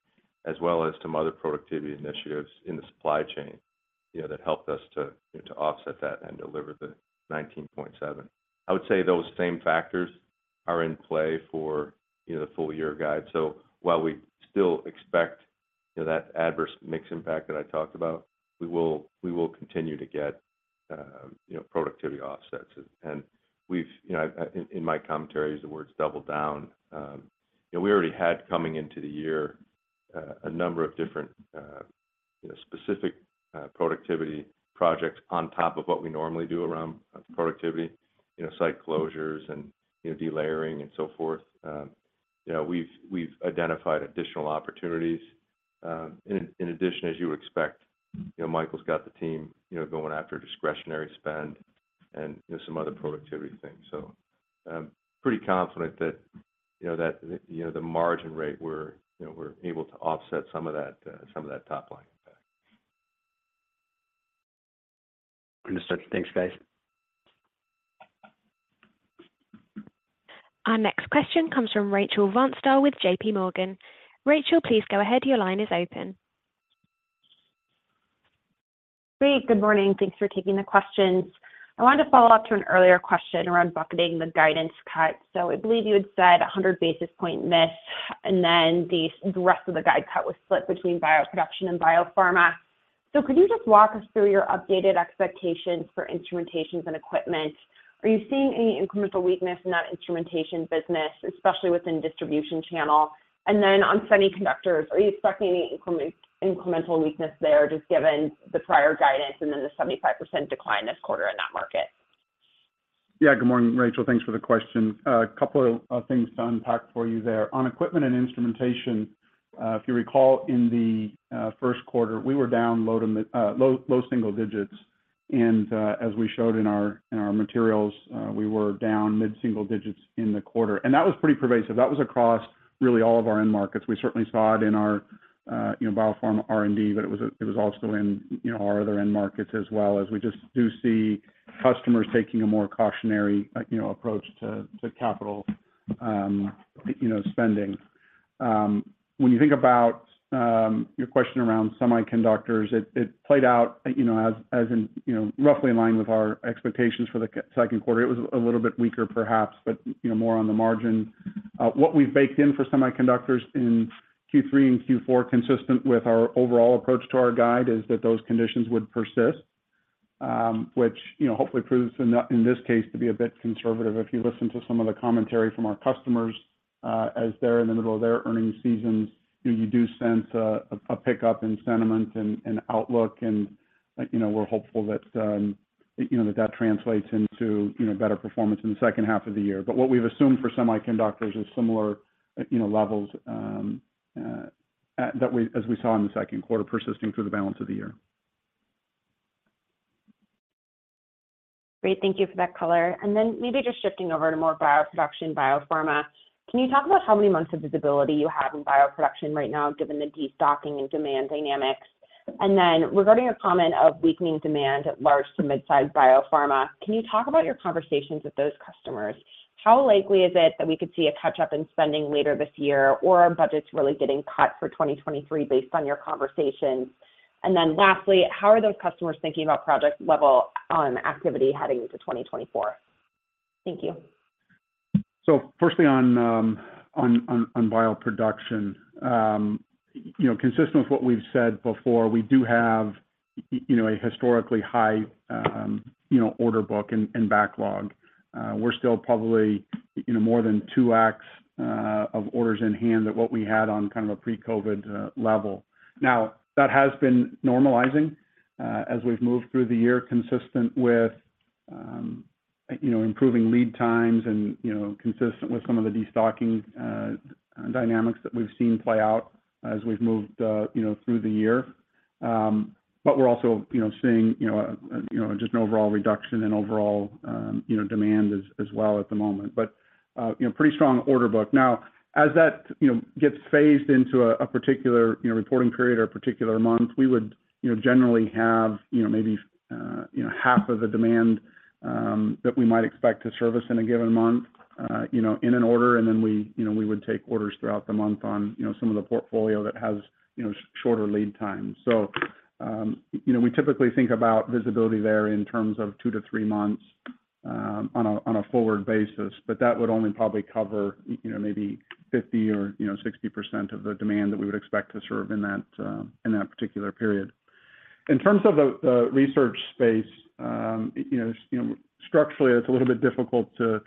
as well as some other productivity initiatives in the supply chain, you know, that helped us to, to offset that and deliver the 19.7%. I would say those same factors are in play for, you know, the full-year guide. While we still expect, you know, that adverse mix impact that I talked about, we will, we will continue to get, you know, productivity offsets. We've, you know, in my commentary, use the words double down. You know, we already had coming into the year, a number of different, specific, productivity projects on top of what we normally do around productivity, you know, site closures and, you know, delayering and so forth. You know, we've, we've identified additional opportunities. In addition, as you would expect, you know, Michael's got the team, you know, going after discretionary spend and, you know, some other productivity things. Pretty confident that, you know, that, you know, the margin rate, we're, you know, we're able to offset some of that, some of that top-line impact. Understood. Thanks, guys. Our next question comes from Rachel Vatnsdal with JPMorgan. Rachel, please go ahead. Your line is open. Great, good morning. Thanks for taking the questions. I wanted to follow up to an earlier question around bucketing the guidance cut. I believe you had said 100 basis point-miss, and then the rest of the guide cut was split between bioproduction and biopharma. Could you just walk us through your updated expectations for instrumentations and equipment? Are you seeing any incremental weakness in that instrumentation business, especially within distribution channel? On semiconductors, are you expecting any incremental weakness there, just given the prior guidance and then the 75% decline this quarter in that market? Yeah. Good morning, Rachel. Thanks for the question. A couple of, of things to unpack for you there. On equipment and instrumentation, if you recall, in the first quarter, we were down low to mid, low, low single digits, and as we showed in our, in our materials, we were down mid-single digits in the quarter. That was pretty pervasive. That was across really all of our end markets. We certainly saw it in our, you know, Biopharma R&D, but it was, it was also in, you know, our other end markets as well, as we just do see customers taking a more cautionary, you know, approach to, to capital, you know, spending. When you think about your question around semiconductors, it, it played out, you know, as, as in, you know, roughly in line with our expectations for the second quarter. It was a little bit weaker, perhaps, but, you know, more on the margin. What we've baked in for semiconductors in Q3 and Q4, consistent with our overall approach to our guide, is that those conditions would persist, which, you know, hopefully proves in, in this case to be a bit conservative. If you listen to some of the commentary from our customers, as they're in the middle of their earnings seasons, you know, you do sense a, a pickup in sentiment and, and outlook, and, you know, we're hopeful that, you know, that that translates into, you know, better performance in the second half of the year. What we've assumed for semiconductors is similar, you know, levels, that we, as we saw in the second quarter, persisting through the balance of the year. Great. Thank you for that color. Maybe just shifting over to more bioproduction, biopharma. Can you talk about how many months of visibility you have in bioproduction right now, given the destocking and demand dynamics? Regarding a comment of weakening demand at large to mid-size biopharma, can you talk about your conversations with those customers? How likely is it that we could see a catch-up in spending later this year, or are budgets really getting cut for 2023 based on your conversations? Lastly, how are those customers thinking about project level on activity heading into 2024? Thank you. Firstly, on bioproduction, you know, consistent with what we've said before, we do have, you know, a historically high, you know, order book and, and backlog. We're still probably, you know, more than 2x of orders in hand than what we had on kind of a pre-COVID level. Now, that has been normalizing as we've moved through the year, consistent with, you know, improving lead times and, you know, consistent with some of the destocking dynamics that we've seen play out as we've moved, you know, through the year. But we're also, you know, seeing, you know, just an overall reduction in overall, you know, demand as, as well at the moment, but, you know, pretty strong order book. Now, as that, you know, gets phased into a, a particular, you know, reporting period or a particular month, we would, you know, generally have, you know, maybe you know half of the demand, that we might expect to service in a given month, you know, in an order. We, you know, we would take orders throughout the month on, you know, some of the portfolio that has, you know, shorter lead times. You know, we typically think about visibility there in terms of two to three months. On a, on a forward basis, that would only probably cover, you know, maybe 50% or, you know, 60% of the demand that we would expect to serve in that, in that particular period. In terms of the research space, you know, you know, structurally, it's a little bit difficult to,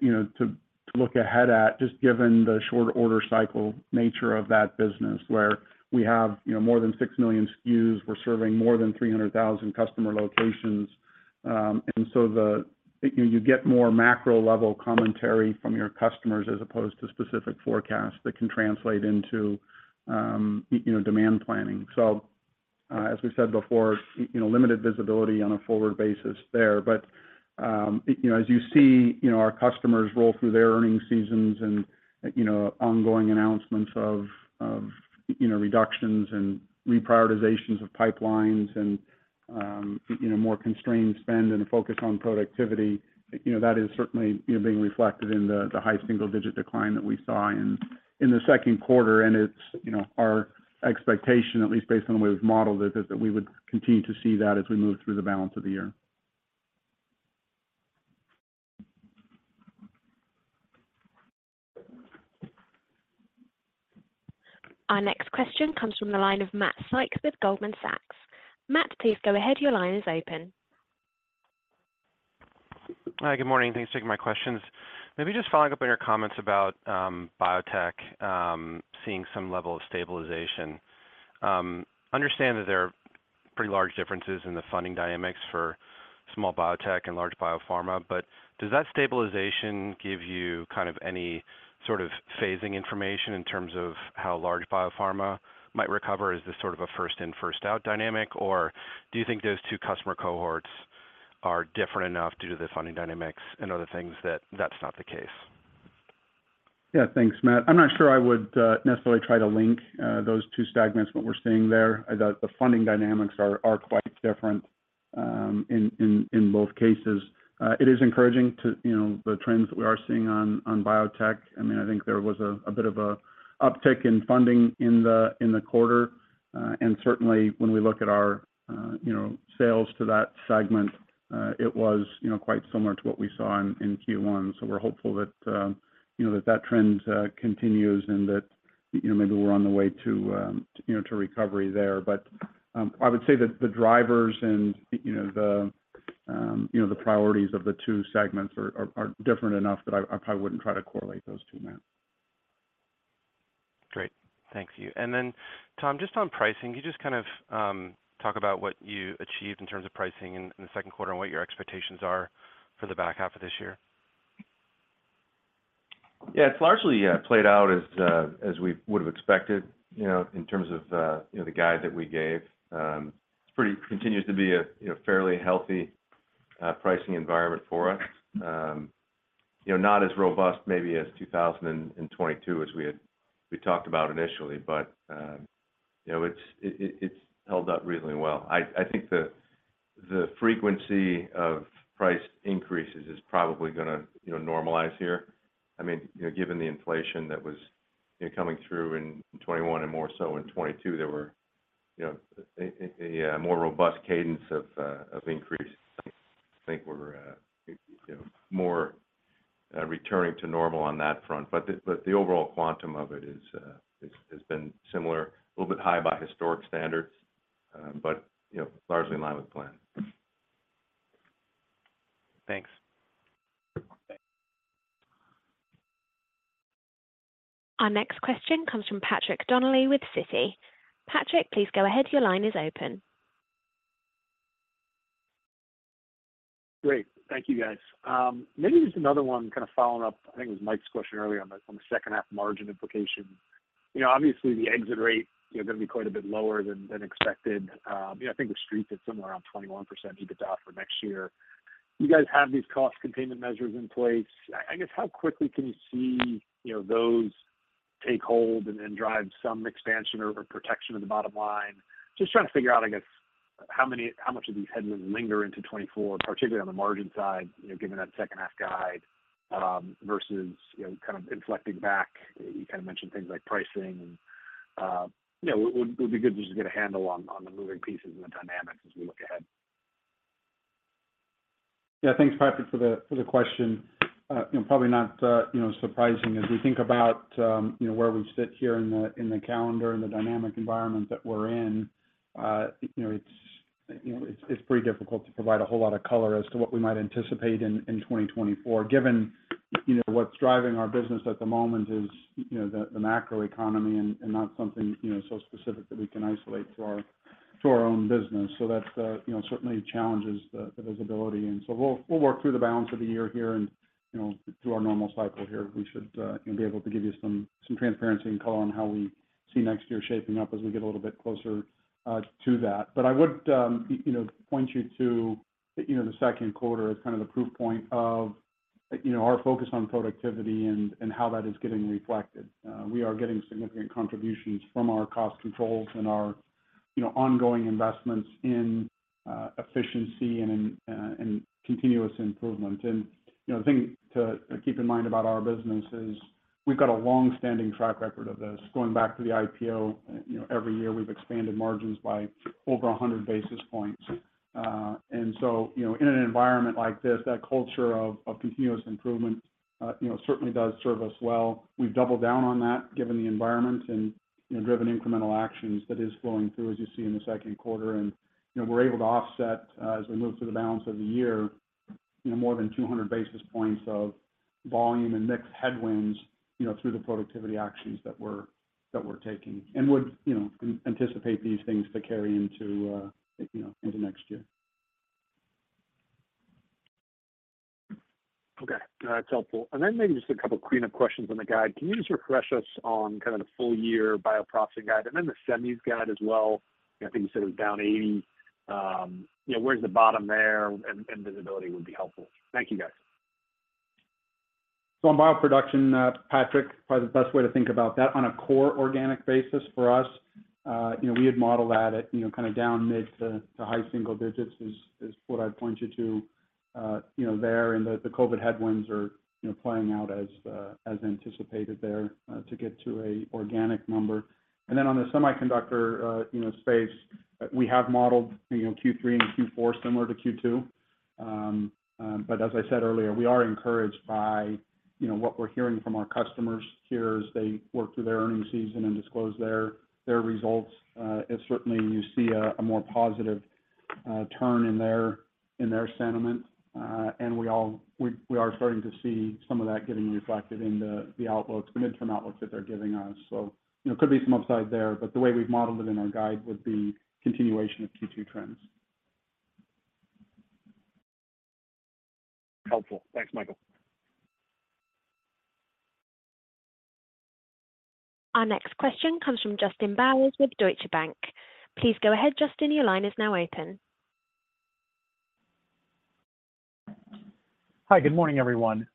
you know, to look ahead at, just given the short order cycle nature of that business, where we have, you know, more than 6 million SKUs, we're serving more than 300,000 customer locations. You know, you get more macro-level commentary from your customers as opposed to specific forecasts that can translate into, you know, demand planning. As we said before, you know, limited visibility on a forward basis there. you know, as you see, you know, our customers roll through their earnings seasons and, you know, ongoing announcements of, you know, reductions and reprioritizations of pipelines and, you know, more constrained spend and a focus on productivity, you know, that is certainly, you know, being reflected in the, the high single-digit decline that we saw in, in the second quarter. It's, you know, our expectation, at least based on the way we've modeled it, is that we would continue to see that as we move through the balance of the year. Our next question comes from the line of Matt Sykes with Goldman Sachs. Matt, please go ahead. Your line is open. Hi, good morning. Thanks for taking my questions. Maybe just following up on your comments about biotech, seeing some level of stabilization. Understand that there are pretty large differences in the funding dynamics for small biotech and large biopharma, but does that stabilization give you kind of any sort of phasing information in terms of how large biopharma might recover? Is this sort of a first in, first out dynamic, or do you think those two customer cohorts are different enough due to the funding dynamics and other things, that that's not the case? Yeah, thanks, Matt. I'm not sure I would necessarily try to link those two segments, what we're seeing there. The, the funding dynamics are, are quite different in, in, in both cases. It is encouraging to, you know, the trends that we are seeing on, on biotech. I mean, I think there was a, a bit of a uptick in funding in the, in the quarter, and certainly when we look at our, you know, sales to that segment, it was, you know, quite similar to what we saw in, in Q1. We're hopeful that, you know, that trend continues and that, you know, maybe we're on the way to, you know, to recovery there. I would say that the drivers and, you know, the, you know, the priorities of the two segments are, are, are different enough that I, I probably wouldn't try to correlate those two, Matt. Great. Thank you. Tom, just on pricing, can you just kind of talk about what you achieved in terms of pricing in, in the second quarter and what your expectations are for the back half of this year? Yeah, it's largely played out as as we would have expected, you know, in terms of, you know, the guide that we gave. It continues to be a, you know, fairly healthy pricing environment for us. You know, not as robust maybe as 2022 as we had, we talked about initially, but, you know, it's held up really well. I think the frequency of price increases is probably gonna, you know, normalize here. I mean, you know, given the inflation that was, you know, coming through in 2021 and more so in 2022, there were, you know, a more robust cadence of increase. I think we're, you know, more returning to normal on that front. The, but the overall quantum of it is, is, has been similar, a little bit high by historic standards, but, you know, largely in line with plan. Thanks. Thanks. Our next question comes from Patrick Donnelly with Citi. Patrick, please go ahead. Your line is open. Great. Thank you, guys. Maybe just another one kind of following up, I think it was Michael's question earlier on the, on the second half margin implication. You know, obviously, the exit rate is going to be quite a bit lower than, than expected. I think the Street is somewhere around 21% EBITDA for next year. You guys have these cost containment measures in place. I, I guess, how quickly can you see, you know, those take hold and then drive some expansion or, or protection of the bottom line? Just trying to figure out, I guess, how much of these headwinds linger into 2024, particularly on the margin side, you know, given that second half guide, versus, you know, kind of inflecting back. You kind of mentioned things like pricing and, you know, it would, would be good just to get a handle on, on the moving pieces and the dynamics as we look ahead. Yeah. Thanks, Patrick, for the, for the question. You know, probably not, you know, surprising as we think about, you know, where we sit here in the, in the calendar and the dynamic environment that we're in, you know, it's, you know, it's, it's pretty difficult to provide a whole lot of color as to what we might anticipate in, in 2024, given, you know, what's driving our business at the moment is, you know, the, the macro economy and, and not something, you know, so specific that we can isolate to our, to our own business. That, you know, certainly challenges the, the visibility. We'll, we'll work through the balance of the year here and, you know, through our normal cycle here, we should, you know, be able to give you some, some transparency and color on how we see next year shaping up as we get a little bit closer to that. I would, you know, point you to, you know, the second quarter as kind of the proof point of, you know, our focus on productivity and, and how that is getting reflected. We are getting significant contributions from our cost controls and our, you know, ongoing investments in efficiency and in continuous improvement. You know, the thing to keep in mind about our business is. We've got a long-standing track record of this, going back to the IPO. You know, every year, we've expanded margins by over 100 basis points. So, you know, in an environment like this, that culture of continuous improvement, you know, certainly does serve us well. We've doubled down on that, given the environment, and, you know, driven incremental actions that is flowing through, as you see in the second quarter. You know, we're able to offset, as we move through the balance of the year, you know, more than 200 basis points of volume and mix headwinds, you know, through the productivity actions that we're taking. Would, you know, anticipate these things to carry into, you know, into next year. Okay. That's helpful. Then maybe just two clean-up questions on the guide. Can you just refresh us on kind of the full-year bioprocessing guide, and then the semis guide as well? I think you said it was down $80. You know, where's the bottom there, and visibility would be helpful. Thank you, guys. On bioproduction, Patrick, probably the best way to think about that on a core organic basis for us, you know, we had modeled that at, you know, kind of down mid to, to high single digits, is, is what I'd point you to, there. The, the COVID headwinds are, you know, playing out as anticipated there, to get to an organic number. Then on the semiconductor, you know, space, we have modeled, you know, Q3 and Q4 similar to Q2. As I said earlier, we are encouraged by, you know, what we're hearing from our customers here as they work through their earnings season and disclose their, their results. Certainly you see a, a more positive turn in their, in their sentiment. We are starting to see some of that getting reflected in the, the outlooks, the midterm outlooks that they're giving us. You know, could be some upside there. The way we've modeled it in our guide would be continuation of Q2 trends. Helpful. Thanks, Michael. Our next question comes from Justin Bowers with Deutsche Bank. Please go ahead, Justin, your line is now open. Hi, good morning, everyone.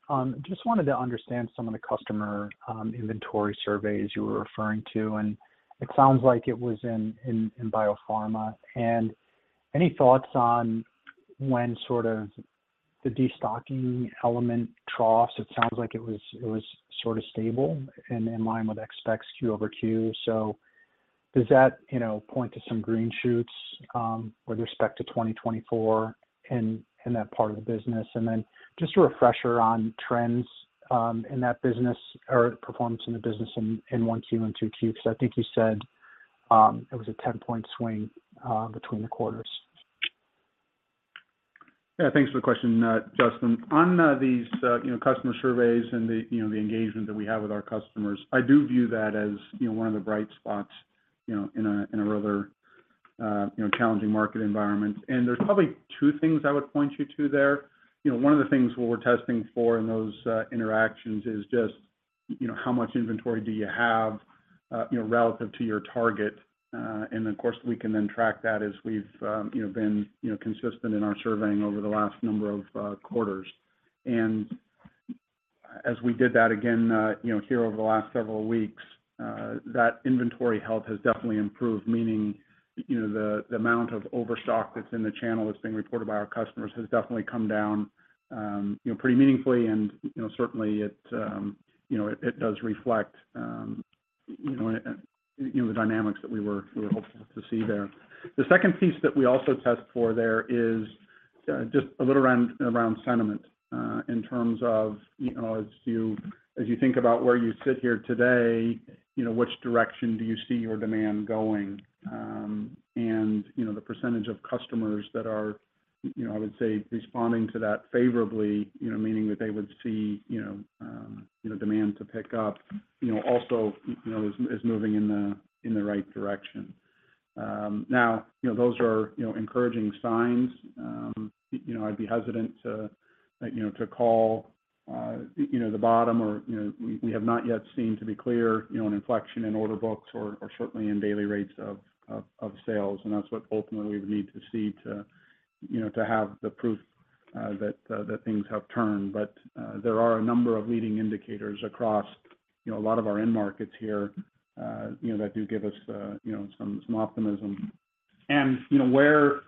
Just wanted to understand some of the customer inventory surveys you were referring to, and it sounds like it was in, in, in Biopharma. Any thoughts on when sort of the destocking element troughs? It sounds like it was, it was sort of stable and in line with expects QoQ. Does that, you know, point to some green shoots with respect to 2024 in, in that part of the business? Then just a refresher on trends in that business or performance in the business in 1Q and 2Q, because I think you said it was a 10-point swing between the quarters. Yeah, thanks for the question, Justin. On these, you know, customer surveys and the, you know, the engagement that we have with our customers, I do view that as, you know, one of the bright spots, you know, in a, in a rather, you know, challenging market environment. There's probably two things I would point you to there. You know, one of the things what we're testing for in those, interactions is just, you know, how much inventory do you have, you know, relative to your target? Of course, we can then track that as we've, you know, been, you know, consistent in our surveying over the last number of, quarters. As we did that again, you know, here over the last several weeks, that inventory health has definitely improved. Meaning, you know, the, the amount of overstock that's in the channel that's being reported by our customers has definitely come down, you know, pretty meaningfully. And, you know, certainly it, you know, it, it does reflect, you know, you know, the dynamics that we were, we were hopeful to see there. The second piece that we also test for there is, just a little around, around sentiment, in terms of, you know, as you think about where you sit here today, you know, which direction do you see your demand going? And, you know, the percentage of customers that are, you know, I would say, responding to that favorably, you know, meaning that they would see, you know, you know, demand to pick up, you know, also, you know, is, is moving in the, in the right direction. Now, you know, those are, you know, encouraging signs. You know, I'd be hesitant to, like, you know, to call, you know, the bottom or, you know, we, we have not yet seen to be clear, you know, an inflection in order books or, or certainly in daily rates of, of, of sales. That's what ultimately we need to see to, you know, to have the proof that things have turned. There are a number of leading indicators across, you know, a lot of our end markets here, you know, that do give us, you know, some, some optimism. You know, where,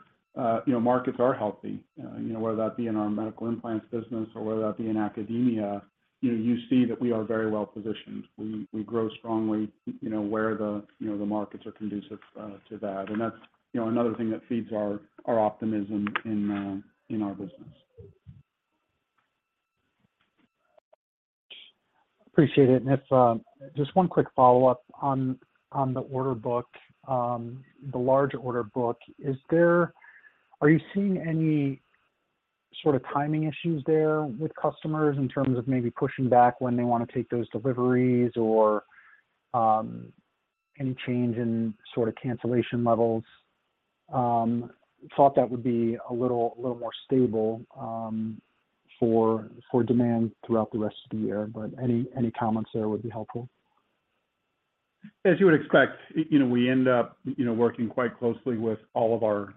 you know, markets are healthy, you know, whether that be in our medical implants business or whether that be in academia, you know, you see that we are very well positioned. We, we grow strongly, you know, where the, you know, the markets are conducive to that. That's, you know, another thing that feeds our, our optimism in our business. Appreciate it. If just one quick follow-up on the order book. The large order book, are you seeing any sort of timing issues there with customers in terms of maybe pushing back when they wanna take those deliveries or any change in sort of cancellation levels? Thought that would be a little, little more stable for demand throughout the rest of the year, but any, any comments there would be helpful. As you would expect, you know, we end up, you know, working quite closely with all of our,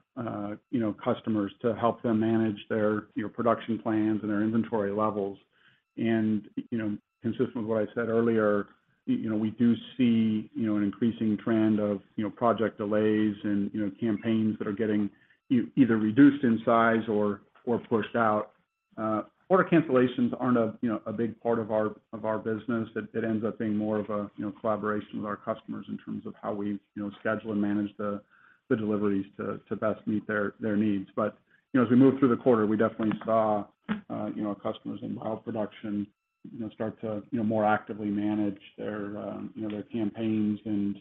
you know, customers to help them manage their, you know, production plans and their inventory levels. You know, consistent with what I said earlier, you know, we do see, you know, an increasing trend of, you know, project delays and, you know, campaigns that are getting either reduced in size or, or pushed out. Order cancellations aren't a, you know, a big part of our, of our business. It, it ends up being more of a, you know, collaboration with our customers in terms of how we, you know, schedule and manage the, the deliveries to, to best meet their, their needs. You know, as we moved through the quarter, we definitely saw, you know, customers in bioproduction, you know, start to, you know, more actively manage their, you know, their campaigns and, you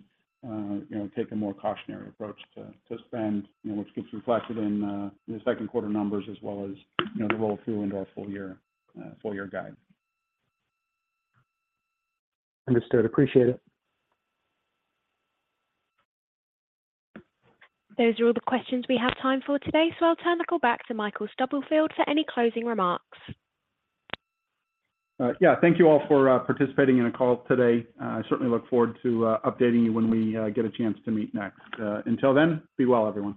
know, take a more cautionary approach to, to spend, you know, which gets reflected in the second quarter numbers as well as, you know, the roll-through into our full year, full-year guide. Understood. Appreciate it. Those are all the questions we have time for today, so I'll turn the call back to Michael Stubblefield for any closing remarks. Yeah, thank you all for participating in the call today. I certainly look forward to updating you when we get a chance to meet next. Until then, be well, everyone.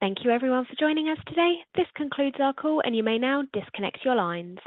Thank you, everyone, for joining us today. This concludes our call, and you may now disconnect your lines.